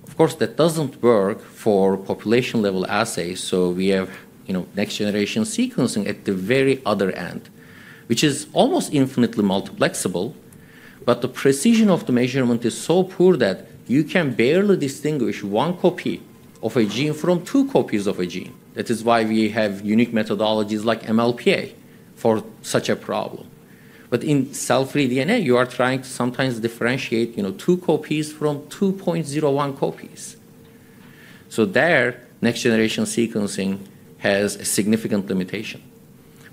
Of course, that doesn't work for population-level assays. So we have next-generation sequencing at the very other end, which is almost infinitely multiplexible. But the precision of the measurement is so poor that you can barely distinguish one copy of a gene from two copies of a gene. That is why we have unique methodologies like MLPA for such a problem. But in cfDNA, you are trying to sometimes differentiate two copies from 2.01 copies. So there, next-generation sequencing has a significant limitation.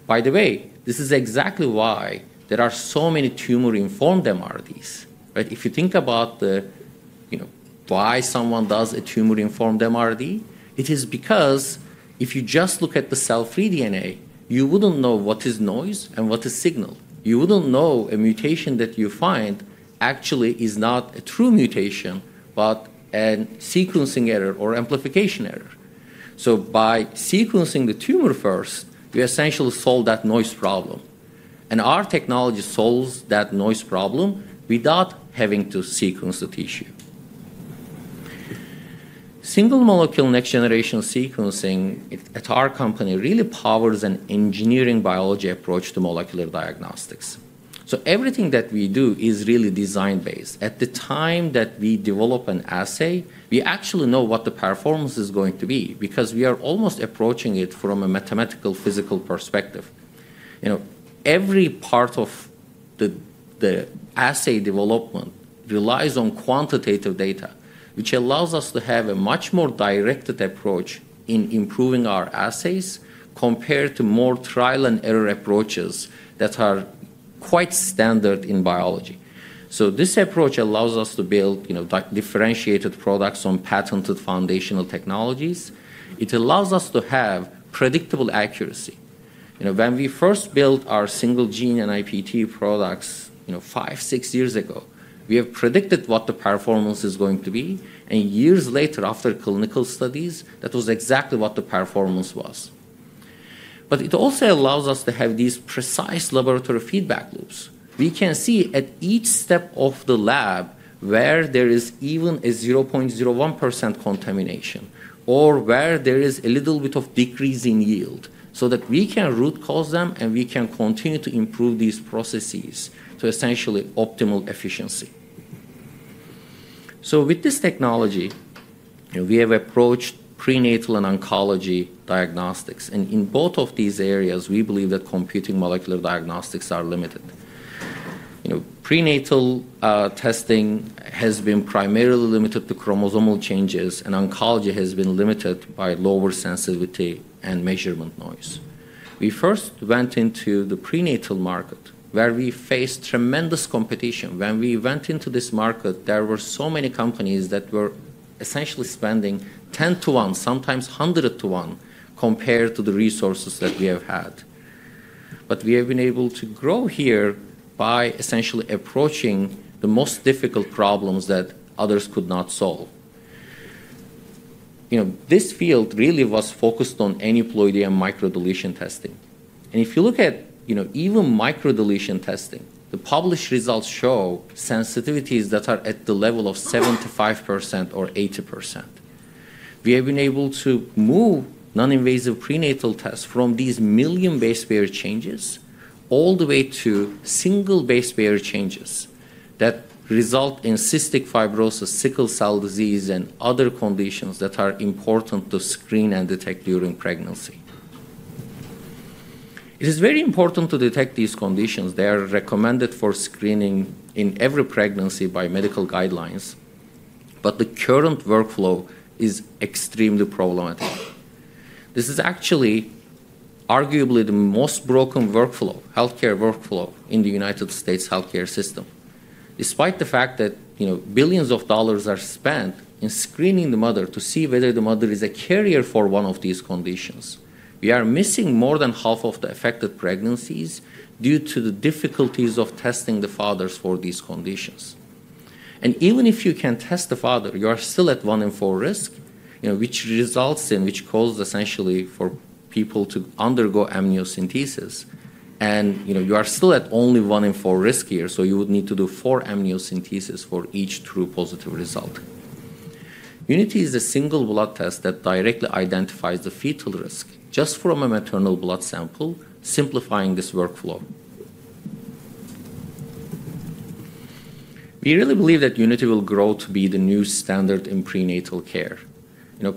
By the way, this is exactly why there are so many tumor-informed MRDs. If you think about why someone does a tumor-informed MRD, it is because if you just look at the cfDNA, you wouldn't know what is noise and what is signal. You wouldn't know a mutation that you find actually is not a true mutation, but a sequencing error or amplification error. So by sequencing the tumor first, we essentially solve that noise problem. And our technology solves that noise problem without having to sequence the tissue. Single molecule next-generation sequencing at our company really powers an engineering biology approach to molecular diagnostics. So everything that we do is really design-based. At the time that we develop an assay, we actually know what the performance is going to be because we are almost approaching it from a mathematical physical perspective. Every part of the assay development relies on quantitative data, which allows us to have a much more directed approach in improving our assays compared to more trial-and-error approaches that are quite standard in biology. So this approach allows us to build differentiated products on patented foundational technologies. It allows us to have predictable accuracy. When we first built our single-gene NIPT products five, six years ago, we have predicted what the performance is going to be, and years later, after clinical studies, that was exactly what the performance was, but it also allows us to have these precise laboratory feedback loops. We can see at each step of the lab where there is even a 0.01% contamination or where there is a little bit of decrease in yield so that we can root cause them and we can continue to improve these processes to essentially optimal efficiency, so with this technology, we have approached prenatal and oncology diagnostics, and in both of these areas, we believe that current molecular diagnostics are limited. Prenatal testing has been primarily limited to chromosomal changes, and oncology has been limited by lower sensitivity and measurement noise. We first went into the prenatal market where we faced tremendous competition. When we went into this market, there were so many companies that were essentially spending 10 to 1, sometimes 100 to 1 compared to the resources that we have had, but we have been able to grow here by essentially approaching the most difficult problems that others could not solve. This field really was focused on aneuploidy and microdeletion testing, and if you look at even microdeletion testing, the published results show sensitivities that are at the level of 75% or 80%. We have been able to move non-invasive prenatal tests from these million base pair changes all the way to single base pair changes that result in cystic fibrosis, Sickle cell disease, and other conditions that are important to screen and detect during pregnancy. It is very important to detect these conditions. They are recommended for screening in every pregnancy by medical guidelines. But the current workflow is extremely problematic. This is actually arguably the most broken healthcare workflow in the United States healthcare system. Despite the fact that billions of dollars are spent in screening the mother to see whether the mother is a carrier for one of these conditions, we are missing more than half of the affected pregnancies due to the difficulties of testing the fathers for these conditions. And even if you can test the father, you are still at 1 in 4 risk, which results in which causes essentially for people to undergo amniocentesis. And you are still at only 1 in 4 risk here. So you would need to do four amniocentesis for each true positive result. Unity is a single blood test that directly identifies the fetal risk just from a maternal blood sample, simplifying this workflow. We really believe that Unity will grow to be the new standard in prenatal care.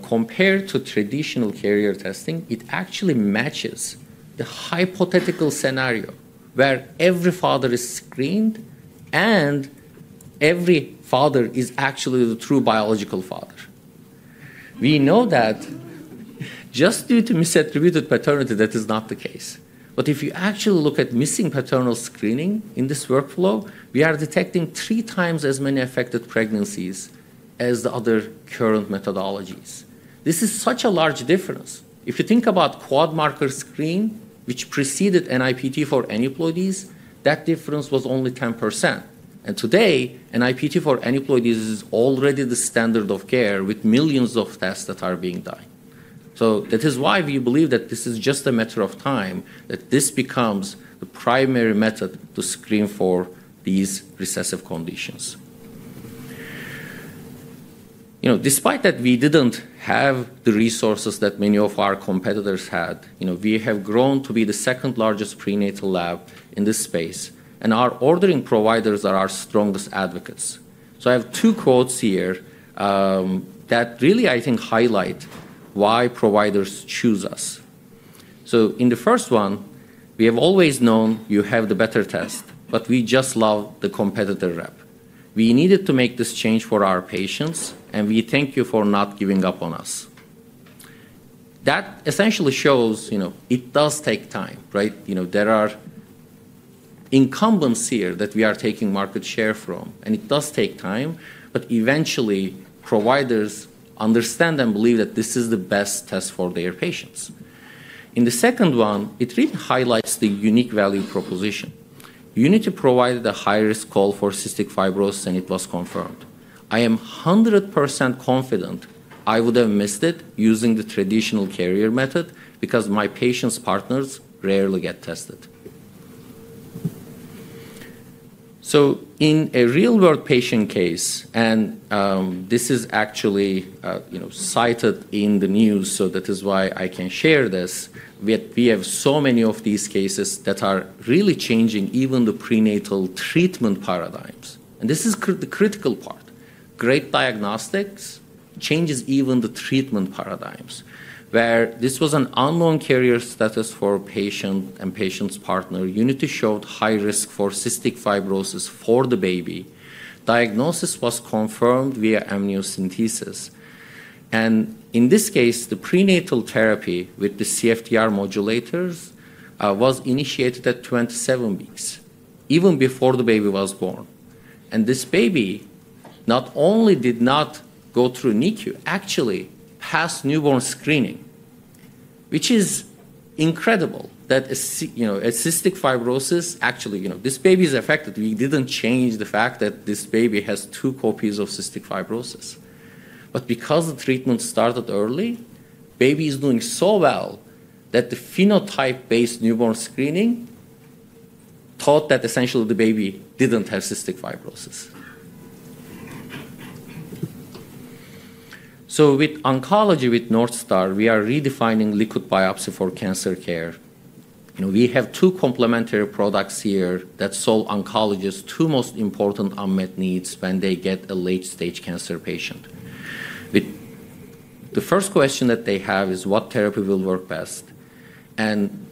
Compared to traditional carrier testing, it actually matches the hypothetical scenario where every father is screened and every father is actually the true biological father. We know that just due to misattributed paternity, that is not the case. But if you actually look at missing paternal screening in this workflow, we are detecting three times as many affected pregnancies as the other current methodologies. This is such a large difference. If you think about quad marker screen, which preceded NIPT for aneuploidies, that difference was only 10%. And today, NIPT for aneuploidies is already the standard of care with millions of tests that are being done. So that is why we believe that this is just a matter of time that this becomes the primary method to screen for these recessive conditions. Despite that, we didn't have the resources that many of our competitors had. We have grown to be the second largest prenatal lab in this space. And our ordering providers are our strongest advocates. So I have two quotes here that really, I think, highlight why providers choose us. So in the first one, we have always known you have the better test. But we just love the competitor rep. We needed to make this change for our patients. And we thank you for not giving up on us. That essentially shows it does take time. There are incumbents here that we are taking market share from. And it does take time. But eventually, providers understand and believe that this is the best test for their patients. In the second one, it really highlights the unique value proposition. Unity provided a high-risk call for cystic fibrosis, and it was confirmed. I am 100% confident I would have missed it using the traditional carrier method because my patients' partners rarely get tested. So in a real-world patient case, and this is actually cited in the news, so that is why I can share this, we have so many of these cases that are really changing even the prenatal treatment paradigms. And this is the critical part. Great diagnostics changes even the treatment paradigms where this was an unknown carrier status for a patient and patient's partner. Unity showed high risk for cystic fibrosis for the baby. Diagnosis was confirmed via amniocentesis. In this case, the prenatal therapy with the CFTR modulators was initiated at 27 weeks, even before the baby was born. This baby not only did not go through NICU, actually passed newborn screening, which is incredible that a cystic fibrosis actually this baby is affected. We didn't change the fact that this baby has two copies of cystic fibrosis. Because the treatment started early, the baby is doing so well that the phenotype-based newborn screening thought that essentially the baby didn't have cystic fibrosis. With oncology with Northstar, we are redefining liquid biopsy for cancer care. We have two complementary products here that solve oncologists' two most important unmet needs when they get a late-stage cancer patient. The first question that they have is, what therapy will work best?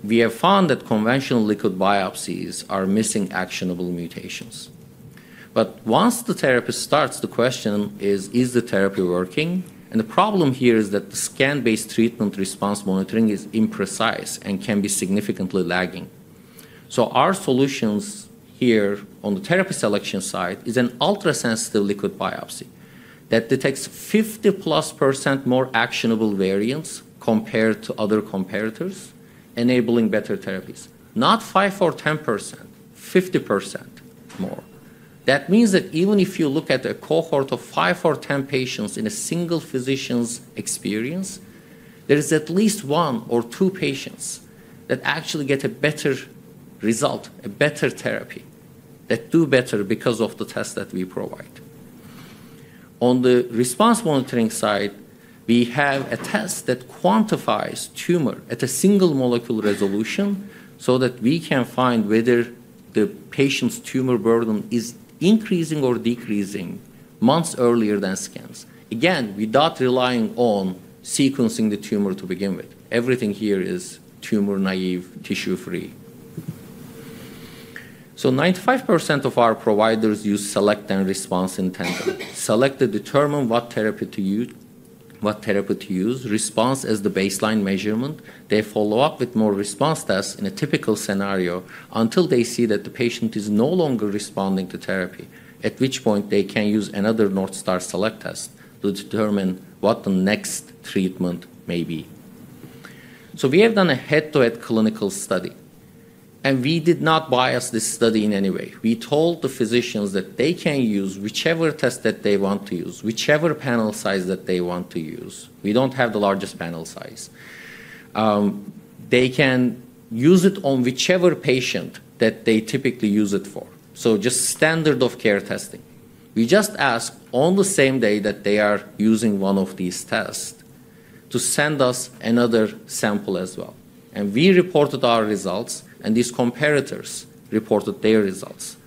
We have found that conventional liquid biopsies are missing actionable mutations. But once the therapy starts, the question is, is the therapy working? And the problem here is that the scan-based treatment response monitoring is imprecise and can be significantly lagging. So our solutions here on the therapy selection side is an ultrasensitive liquid biopsy that detects 50% plus more actionable variants compared to other competitors, enabling better therapies. Not 5% or 10%, 50% more. That means that even if you look at a cohort of 5% or 10% patients in a single physician's experience, there is at least one or two patients that actually get a better result, a better therapy that do better because of the test that we provide. On the response monitoring side, we have a test that quantifies tumor at a single molecule resolution so that we can find whether the patient's tumor burden is increasing or decreasing months earlier than scans. Again, without relying on sequencing the tumor to begin with. Everything here is tumor-naive, tissue-free. So 95% of our providers use Northstar Select and Northstar Response in tandem. Northstar Select to determine what therapy to use, Northstar Response as the baseline measurement. They follow up with more Northstar Response tests in a typical scenario until they see that the patient is no longer responding to therapy, at which point they can use another Northstar Select test to determine what the next treatment may be. So we have done a head-to-head clinical study. And we did not bias this study in any way. We told the physicians that they can use whichever test that they want to use, whichever panel size that they want to use. We don't have the largest panel size. They can use it on whichever patient that they typically use it for. So just standard of care testing. We just asked on the same day that they are using one of these tests to send us another sample as well. And we reported our results. And these competitors reported their results.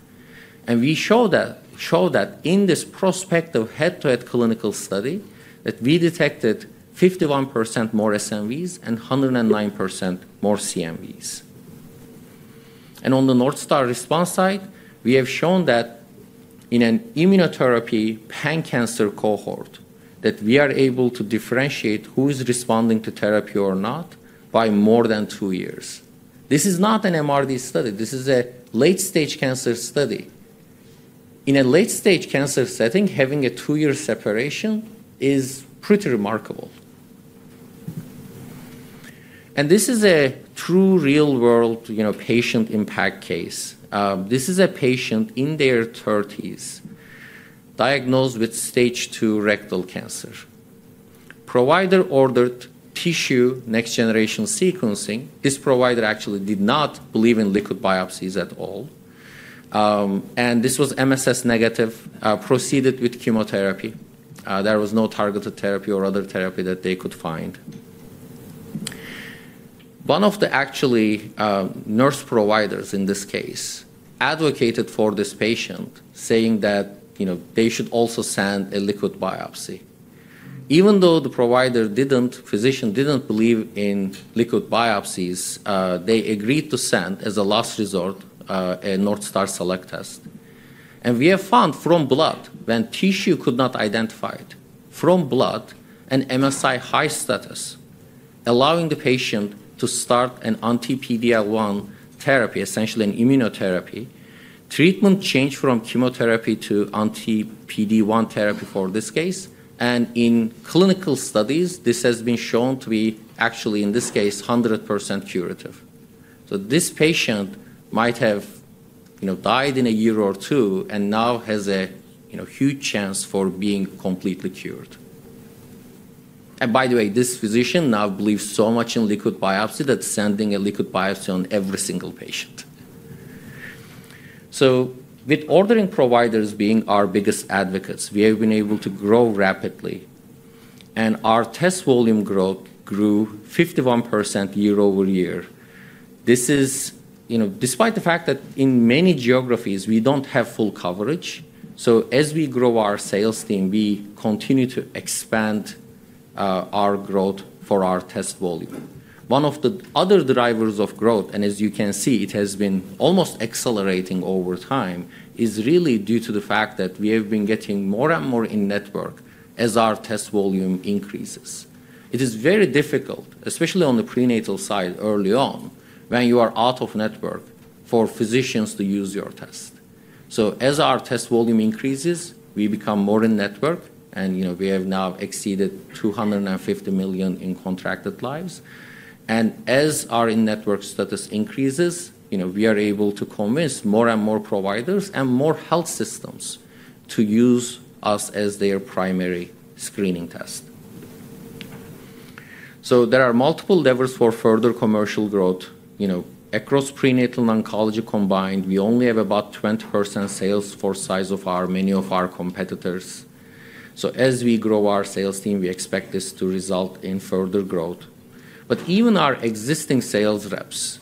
And we show that in this prospective head-to-head clinical study that we detected 51% more SNVs and 109% more CNVs. And on the Northstar Response side, we have shown that in an immunotherapy pan-cancer cohort that we are able to differentiate who is responding to therapy or not by more than two years. This is not an MRD study. This is a late-stage cancer study. In a late-stage cancer setting, having a two-year separation is pretty remarkable. And this is a true real-world patient impact case. This is a patient in their 30s diagnosed with stage 2 rectal cancer. Provider ordered tissue next-generation sequencing. This provider actually did not believe in liquid biopsies at all. This was MSS negative, proceeded with chemotherapy. There was no targeted therapy or other therapy that they could find. One of the actual nurse providers in this case advocated for this patient, saying that they should also send a liquid biopsy. Even though the provider didn't, physician didn't believe in liquid biopsies, they agreed to send as a last resort a Northstar Select test. We have found from blood, when tissue could not identify it, from blood, an MSI-High status allowing the patient to start an anti-PD-L1 therapy, essentially an immunotherapy. Treatment changed from chemotherapy to anti-PD-1 therapy for this case. In clinical studies, this has been shown to be actually, in this case, 100% curative. This patient might have died in a year or two and now has a huge chance for being completely cured. By the way, this physician now believes so much in liquid biopsy that's sending a liquid biopsy on every single patient. With ordering providers being our biggest advocates, we have been able to grow rapidly. Our test volume grew 51% year over year. This is despite the fact that in many geographies, we don't have full coverage. As we grow our sales team, we continue to expand our growth for our test volume. One of the other drivers of growth, and as you can see, it has been almost accelerating over time, is really due to the fact that we have been getting more and more in network as our test volume increases. It is very difficult, especially on the prenatal side early on, when you are out of network for physicians to use your test. So as our test volume increases, we become more in network. And we have now exceeded 250 million in contracted lives. And as our in-network status increases, we are able to convince more and more providers and more health systems to use us as their primary screening test. So there are multiple levers for further commercial growth. Across prenatal oncology combined, we only have about 20% sales force size of many of our competitors. So as we grow our sales team, we expect this to result in further growth. But even our existing sales reps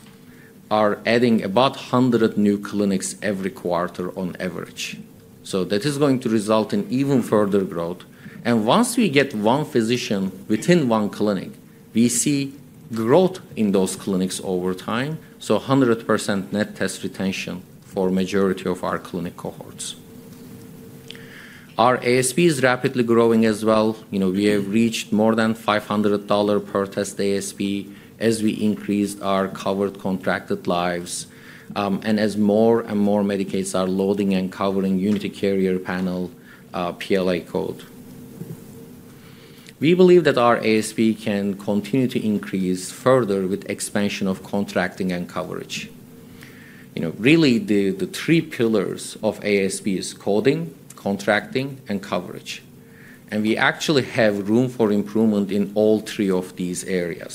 are adding about 100 new clinics every quarter on average. So that is going to result in even further growth. And once we get one physician within one clinic, we see growth in those clinics over time. So 100% net test retention for the majority of our clinic cohorts. Our ASP is rapidly growing as well. We have reached more than $500 per test ASP as we increase our covered contracted lives and as more and more Medicaids are loading and covering Unity carrier panel PLA code. We believe that our ASP can continue to increase further with expansion of contracting and coverage. Really, the three pillars of ASP is coding, contracting, and coverage, and we actually have room for improvement in all three of these areas,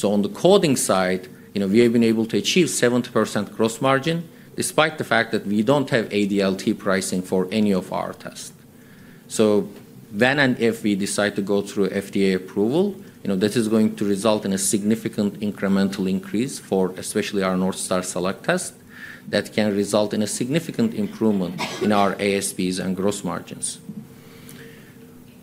so on the coding side, we have been able to achieve 70% gross margin despite the fact that we don't have ADLT pricing for any of our tests, so when and if we decide to go through FDA approval, that is going to result in a significant incremental increase for especially our Northstar Select test that can result in a significant improvement in our ASPs and gross margins.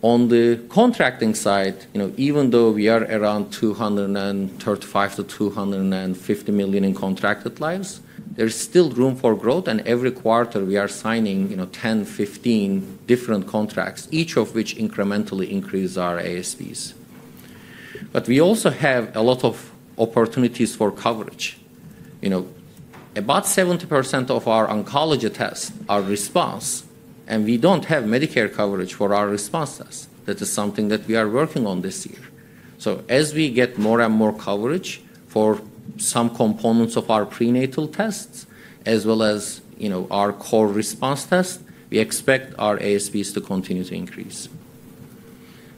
On the contracting side, even though we are around 235-250 million in contracted lives, there is still room for growth. And every quarter, we are signing 10, 15 different contracts, each of which incrementally increases our ASPs. But we also have a lot of opportunities for coverage. About 70% of our oncology tests are response. And we don't have Medicare coverage for our response tests. That is something that we are working on this year. So as we get more and more coverage for some components of our prenatal tests as well as our core response tests, we expect our ASPs to continue to increase.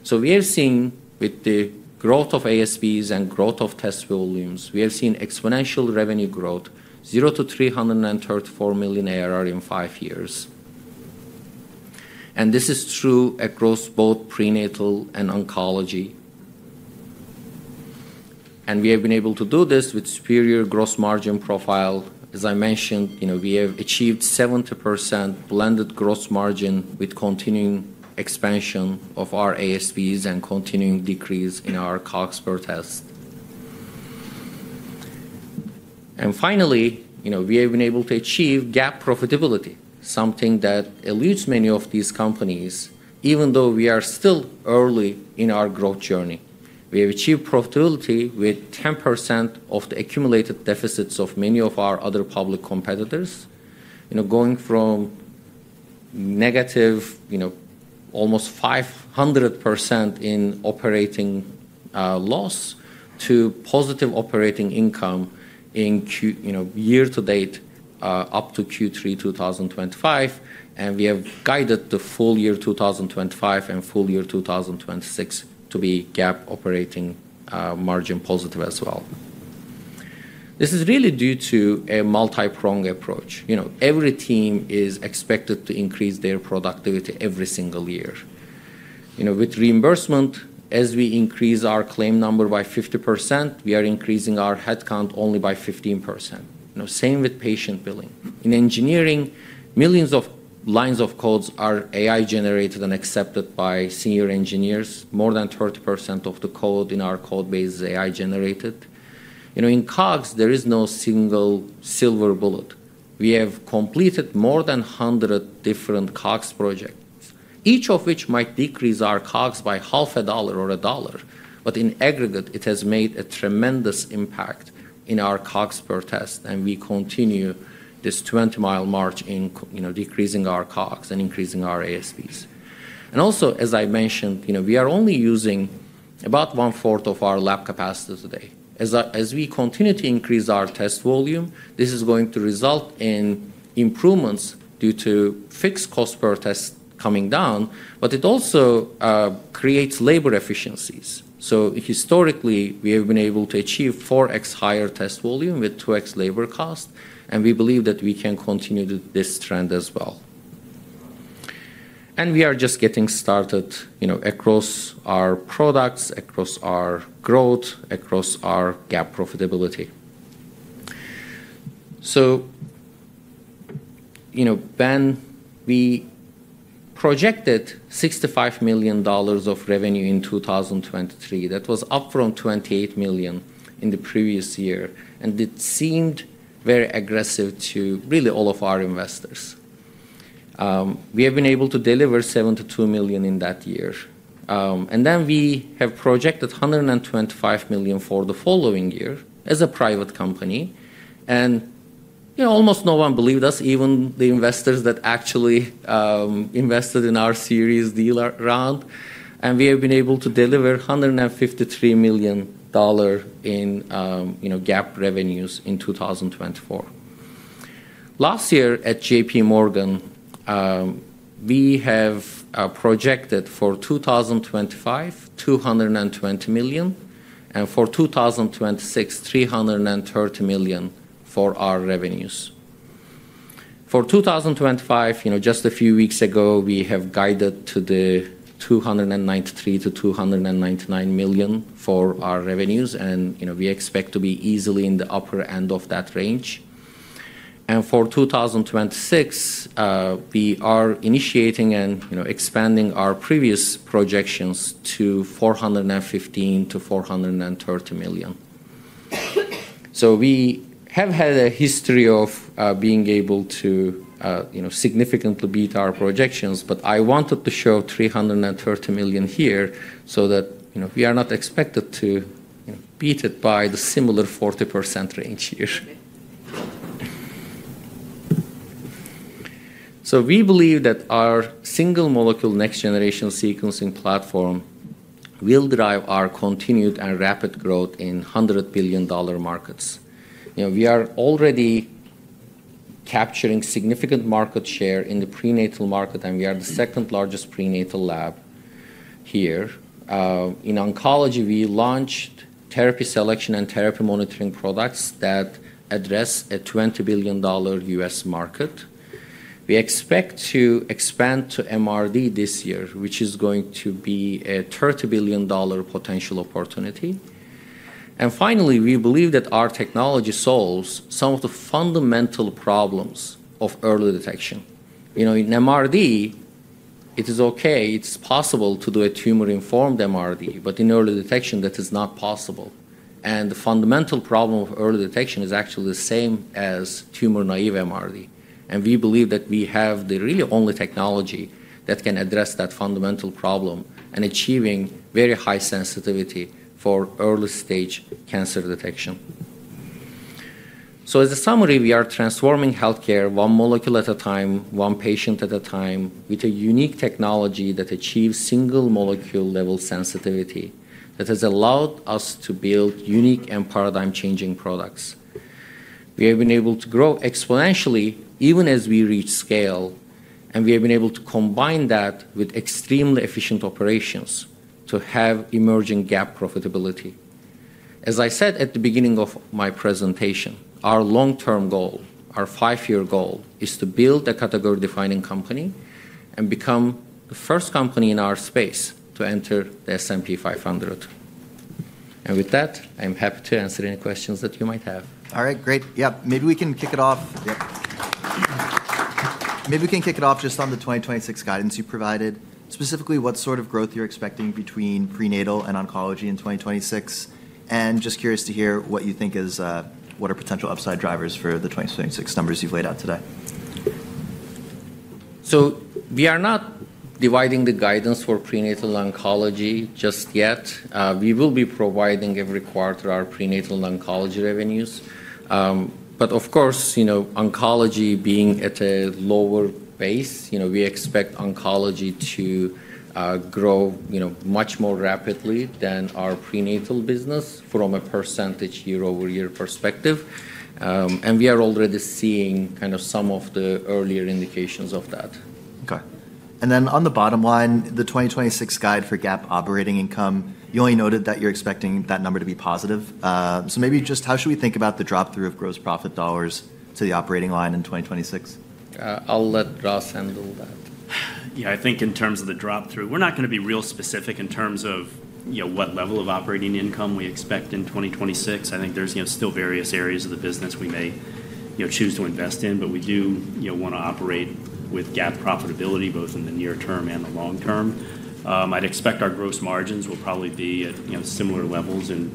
So we are seeing with the growth of ASPs and growth of test volumes, we have seen exponential revenue growth, 0-334 million ARR in five years. And this is true across both prenatal and oncology. We have been able to do this with superior gross margin profile. As I mentioned, we have achieved 70% blended gross margin with continuing expansion of our ASPs and continuing decrease in our cost per test. Finally, we have been able to achieve GAAP profitability, something that eludes many of these companies. Even though we are still early in our growth journey, we have achieved profitability with 10% of the accumulated deficits of many of our other public competitors going from negative almost 500% in operating loss to positive operating income in year-to-date up to Q3 2025. We have guided the full year 2025 and full year 2026 to be GAAP operating margin positive as well. This is really due to a multi-prong approach. Every team is expected to increase their productivity every single year. With reimbursement, as we increase our claim number by 50%, we are increasing our headcount only by 15%. Same with patient billing. In engineering, millions of lines of code are AI-generated and accepted by senior engineers. More than 30% of the code in our code base is AI-generated. In COGS, there is no single silver bullet. We have completed more than 100 different COGS projects, each of which might decrease our COGS by $0.50 or $1. But in aggregate, it has made a tremendous impact in our COGS per test. We continue this 20-mile march in decreasing our COGS and increasing our ASPs. Also, as I mentioned, we are only using about one-fourth of our lab capacity today. As we continue to increase our test volume, this is going to result in improvements due to fixed cost per test coming down. But it also creates labor efficiencies. So historically, we have been able to achieve 4X higher test volume with 2X labor cost. And we believe that we can continue this trend as well. And we are just getting started across our products, across our growth, across our GAAP profitability. So when we projected $65 million of revenue in 2023, that was up from $28 million in the previous year. And it seemed very aggressive to really all of our investors. We have been able to deliver $72 million in that year. And then we have projected $125 million for the following year as a private company. And almost no one believed us, even the investors that actually invested in our Series D round. And we have been able to deliver $153 million in GAAP revenues in 2024. Last year at J.P. Morgan, we have projected for 2025, $220 million, and for 2026, $330 million for our revenues. For 2025, just a few weeks ago, we have guided to the $293-$299 million for our revenues. And we expect to be easily in the upper end of that range. And for 2026, we are initiating and expanding our previous projections to $415-$430 million. So we have had a history of being able to significantly beat our projections. But I wanted to show $330 million here so that we are not expected to beat it by the similar 40% range here. So we believe that our single molecule next-generation sequencing platform will drive our continued and rapid growth in $100 billion markets. We are already capturing significant market share in the prenatal market. And we are the second largest prenatal lab here. In oncology, we launched therapy selection and therapy monitoring products that address a $20 billion U.S. market. We expect to expand to MRD this year, which is going to be a $30 billion potential opportunity, and finally, we believe that our technology solves some of the fundamental problems of early detection. In MRD, it is okay. It's possible to do a tumor-informed MRD, but in early detection, that is not possible, and the fundamental problem of early detection is actually the same as tumor-naive MRD, and we believe that we have the really only technology that can address that fundamental problem and achieving very high sensitivity for early-stage cancer detection, so as a summary, we are transforming healthcare one molecule at a time, one patient at a time, with a unique technology that achieves single molecule-level sensitivity that has allowed us to build unique and paradigm-changing products. We have been able to grow exponentially even as we reach scale, and we have been able to combine that with extremely efficient operations to have emerging GAAP profitability. As I said at the beginning of my presentation, our long-term goal, our five-year goal, is to build a category-defining company and become the first company in our space to enter the S&P 500, and with that, I'm happy to answer any questions that you might have. All right. Great. Yeah. Maybe we can kick it off just on the 2026 guidance you provided, specifically what sort of growth you're expecting between prenatal and oncology in 2026. And just curious to hear what you think is what are potential upside drivers for the 2026 numbers you've laid out today. So we are not dividing the guidance for prenatal oncology just yet. We will be providing every quarter our prenatal oncology revenues. But of course, oncology being at a lower base, we expect oncology to grow much more rapidly than our prenatal business from a percentage year-over-year perspective. And we are already seeing kind of some of the earlier indications of that. Okay. And then on the bottom line, the 2026 guidance for GAAP operating income, you only noted that you're expecting that number to be positive. So maybe just how should we think about the drop-through of gross profit dollars to the operating line in 2026? I'll let Ross handle that. Yeah. I think in terms of the drop-through, we're not going to be real specific in terms of what level of operating income we expect in 2026. I think there's still various areas of the business we may choose to invest in. But we do want to operate with GAAP profitability both in the near term and the long term. I'd expect our gross margins will probably be at similar levels in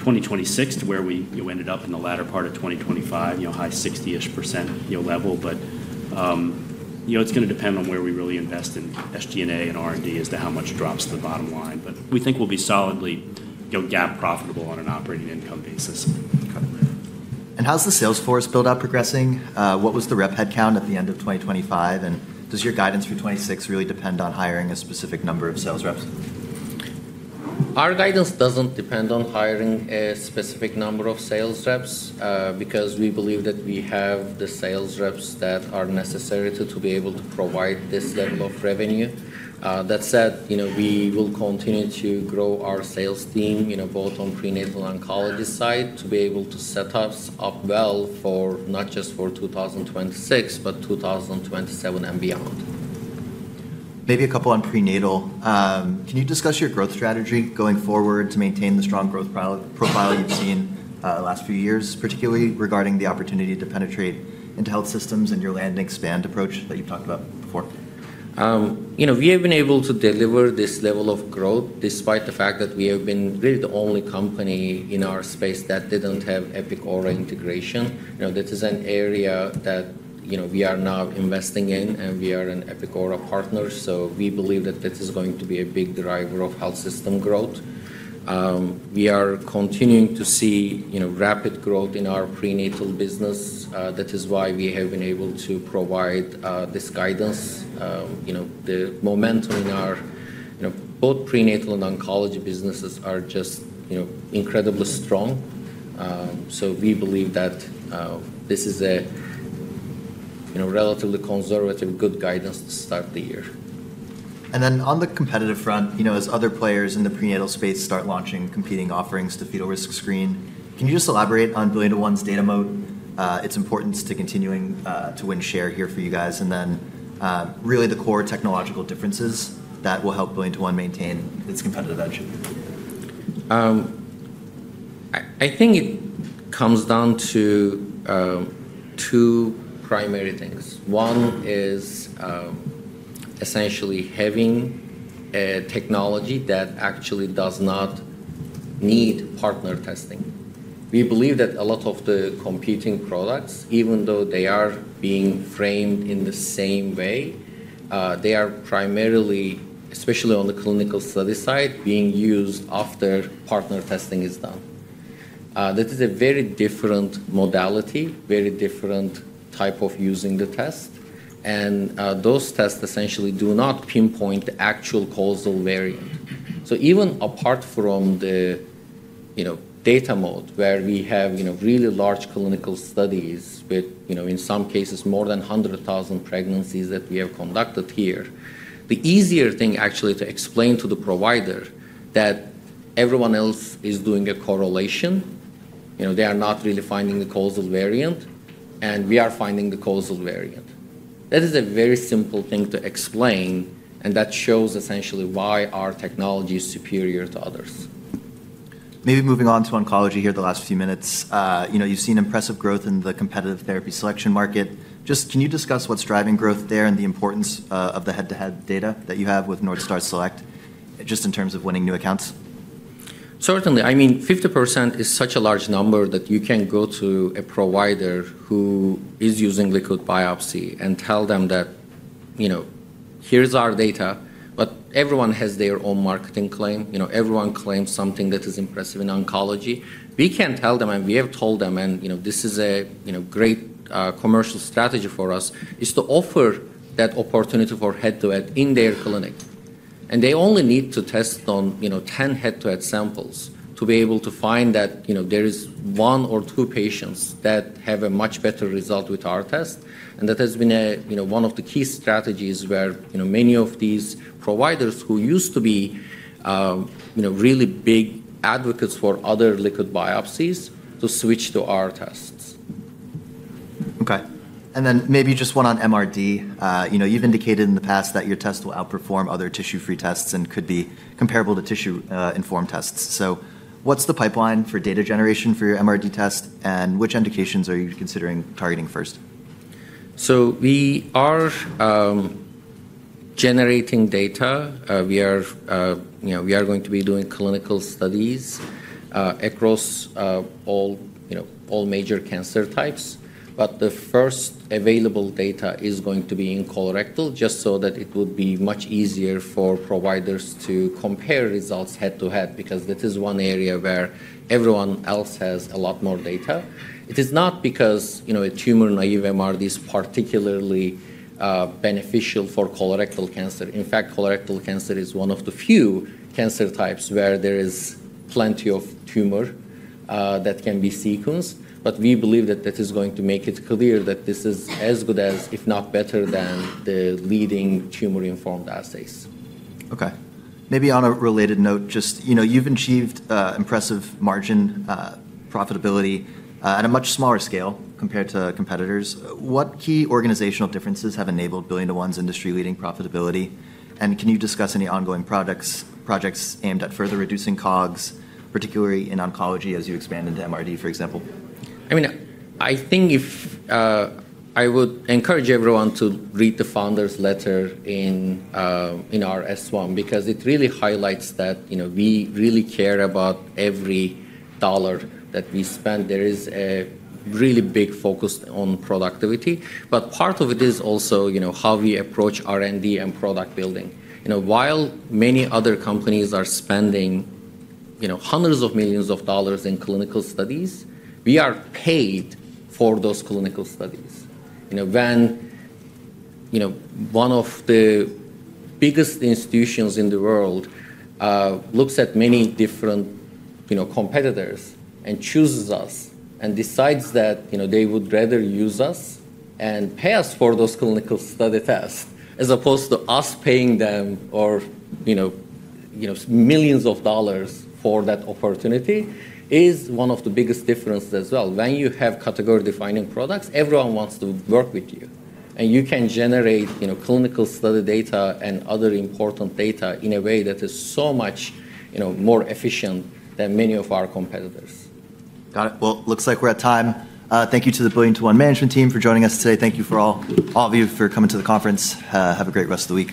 2026 to where we ended up in the latter part of 2025, high 60-ish% level. But it's going to depend on where we really invest in SG&A and R&D as to how much drops to the bottom line. But we think we'll be solidly GAAP profitable on an operating income basis. Okay. And how's the sales force build-up progressing? What was the rep headcount at the end of 2025? And does your guidance for 2026 really depend on hiring a specific number of sales reps? Our guidance doesn't depend on hiring a specific number of sales reps because we believe that we have the sales reps that are necessary to be able to provide this level of revenue. That said, we will continue to grow our sales team both on prenatal oncology side to be able to set us up well for not just 2026, but 2027 and beyond. Maybe a couple on prenatal. Can you discuss your growth strategy going forward to maintain the strong growth profile you've seen the last few years, particularly regarding the opportunity to penetrate into health systems and your land and expand approach that you've talked about before? We have been able to deliver this level of growth despite the fact that we have been really the only company in our space that didn't have Epic integration. This is an area that we are now investing in. And we are an Epic partner. So we believe that this is going to be a big driver of health system growth. We are continuing to see rapid growth in our prenatal business. That is why we have been able to provide this guidance. The momentum in our both prenatal and oncology businesses are just incredibly strong. So we believe that this is a relatively conservative good guidance to start the year. Then on the competitive front, as other players in the prenatal space start launching competing offerings to fetal risk screen, can you just elaborate on BillionToOne's data moat, its importance to continuing to win share here for you guys, and then really the core technological differences that will help BillionToOne maintain its competitive edge? I think it comes down to two primary things. One is essentially having a technology that actually does not need partner testing. We believe that a lot of the competing products, even though they are being framed in the same way, they are primarily, especially on the clinical study side, being used after partner testing is done. That is a very different modality, very different type of using the test. And those tests essentially do not pinpoint the actual causal variant. So even apart from the data moat where we have really large clinical studies with, in some cases, more than 100,000 pregnancies that we have conducted here, the easier thing actually to explain to the provider that everyone else is doing a correlation. They are not really finding the causal variant. And we are finding the causal variant. That is a very simple thing to explain. That shows essentially why our technology is superior to others. Maybe moving on to oncology here, the last few minutes. You've seen impressive growth in the competitive therapy selection market. Just can you discuss what's driving growth there and the importance of the head-to-head data that you have with Northstar Select just in terms of winning new accounts? Certainly. I mean, 50% is such a large number that you can go to a provider who is using liquid biopsy and tell them that here's our data. But everyone has their own marketing claim. Everyone claims something that is impressive in oncology. We can tell them, and we have told them, and this is a great commercial strategy for us, is to offer that opportunity for head-to-head in their clinic. And they only need to test on 10 head-to-head samples to be able to find that there is one or two patients that have a much better result with our test. And that has been one of the key strategies where many of these providers who used to be really big advocates for other liquid biopsies to switch to our tests. Okay. And then maybe just one on MRD. You've indicated in the past that your test will outperform other tissue-free tests and could be comparable to tissue-informed tests. So what's the pipeline for data generation for your MRD test? And which indications are you considering targeting first? So we are generating data. We are going to be doing clinical studies across all major cancer types. But the first available data is going to be in colorectal just so that it would be much easier for providers to compare results head-to-head because that is one area where everyone else has a lot more data. It is not because a tumor-naive MRD is particularly beneficial for colorectal cancer. In fact, colorectal cancer is one of the few cancer types where there is plenty of tumor that can be sequenced. But we believe that that is going to make it clear that this is as good as, if not better, than the leading tumor-informed assays. Okay. Maybe on a related note, just you've achieved impressive margin profitability at a much smaller scale compared to competitors. What key organizational differences have enabled BillionToOne's industry-leading profitability? And can you discuss any ongoing projects aimed at further reducing COGS, particularly in oncology as you expand into MRD, for example? I mean, I think I would encourage everyone to read the founder's letter in our S-1 because it really highlights that we really care about every dollar that we spend. There is a really big focus on productivity. But part of it is also how we approach R&D and product building. While many other companies are spending hundreds of millions of dollars in clinical studies, we are paid for those clinical studies. When one of the biggest institutions in the world looks at many different competitors and chooses us and decides that they would rather use us and pay us for those clinical study tests as opposed to us paying them millions of dollars for that opportunity, is one of the biggest differences as well. When you have category-defining products, everyone wants to work with you. You can generate clinical study data and other important data in a way that is so much more efficient than many of our competitors. Got it. Well, it looks like we're at time. Thank you to the BillionToOne management team for joining us today. Thank you for all of you for coming to the conference. Have a great rest of the week.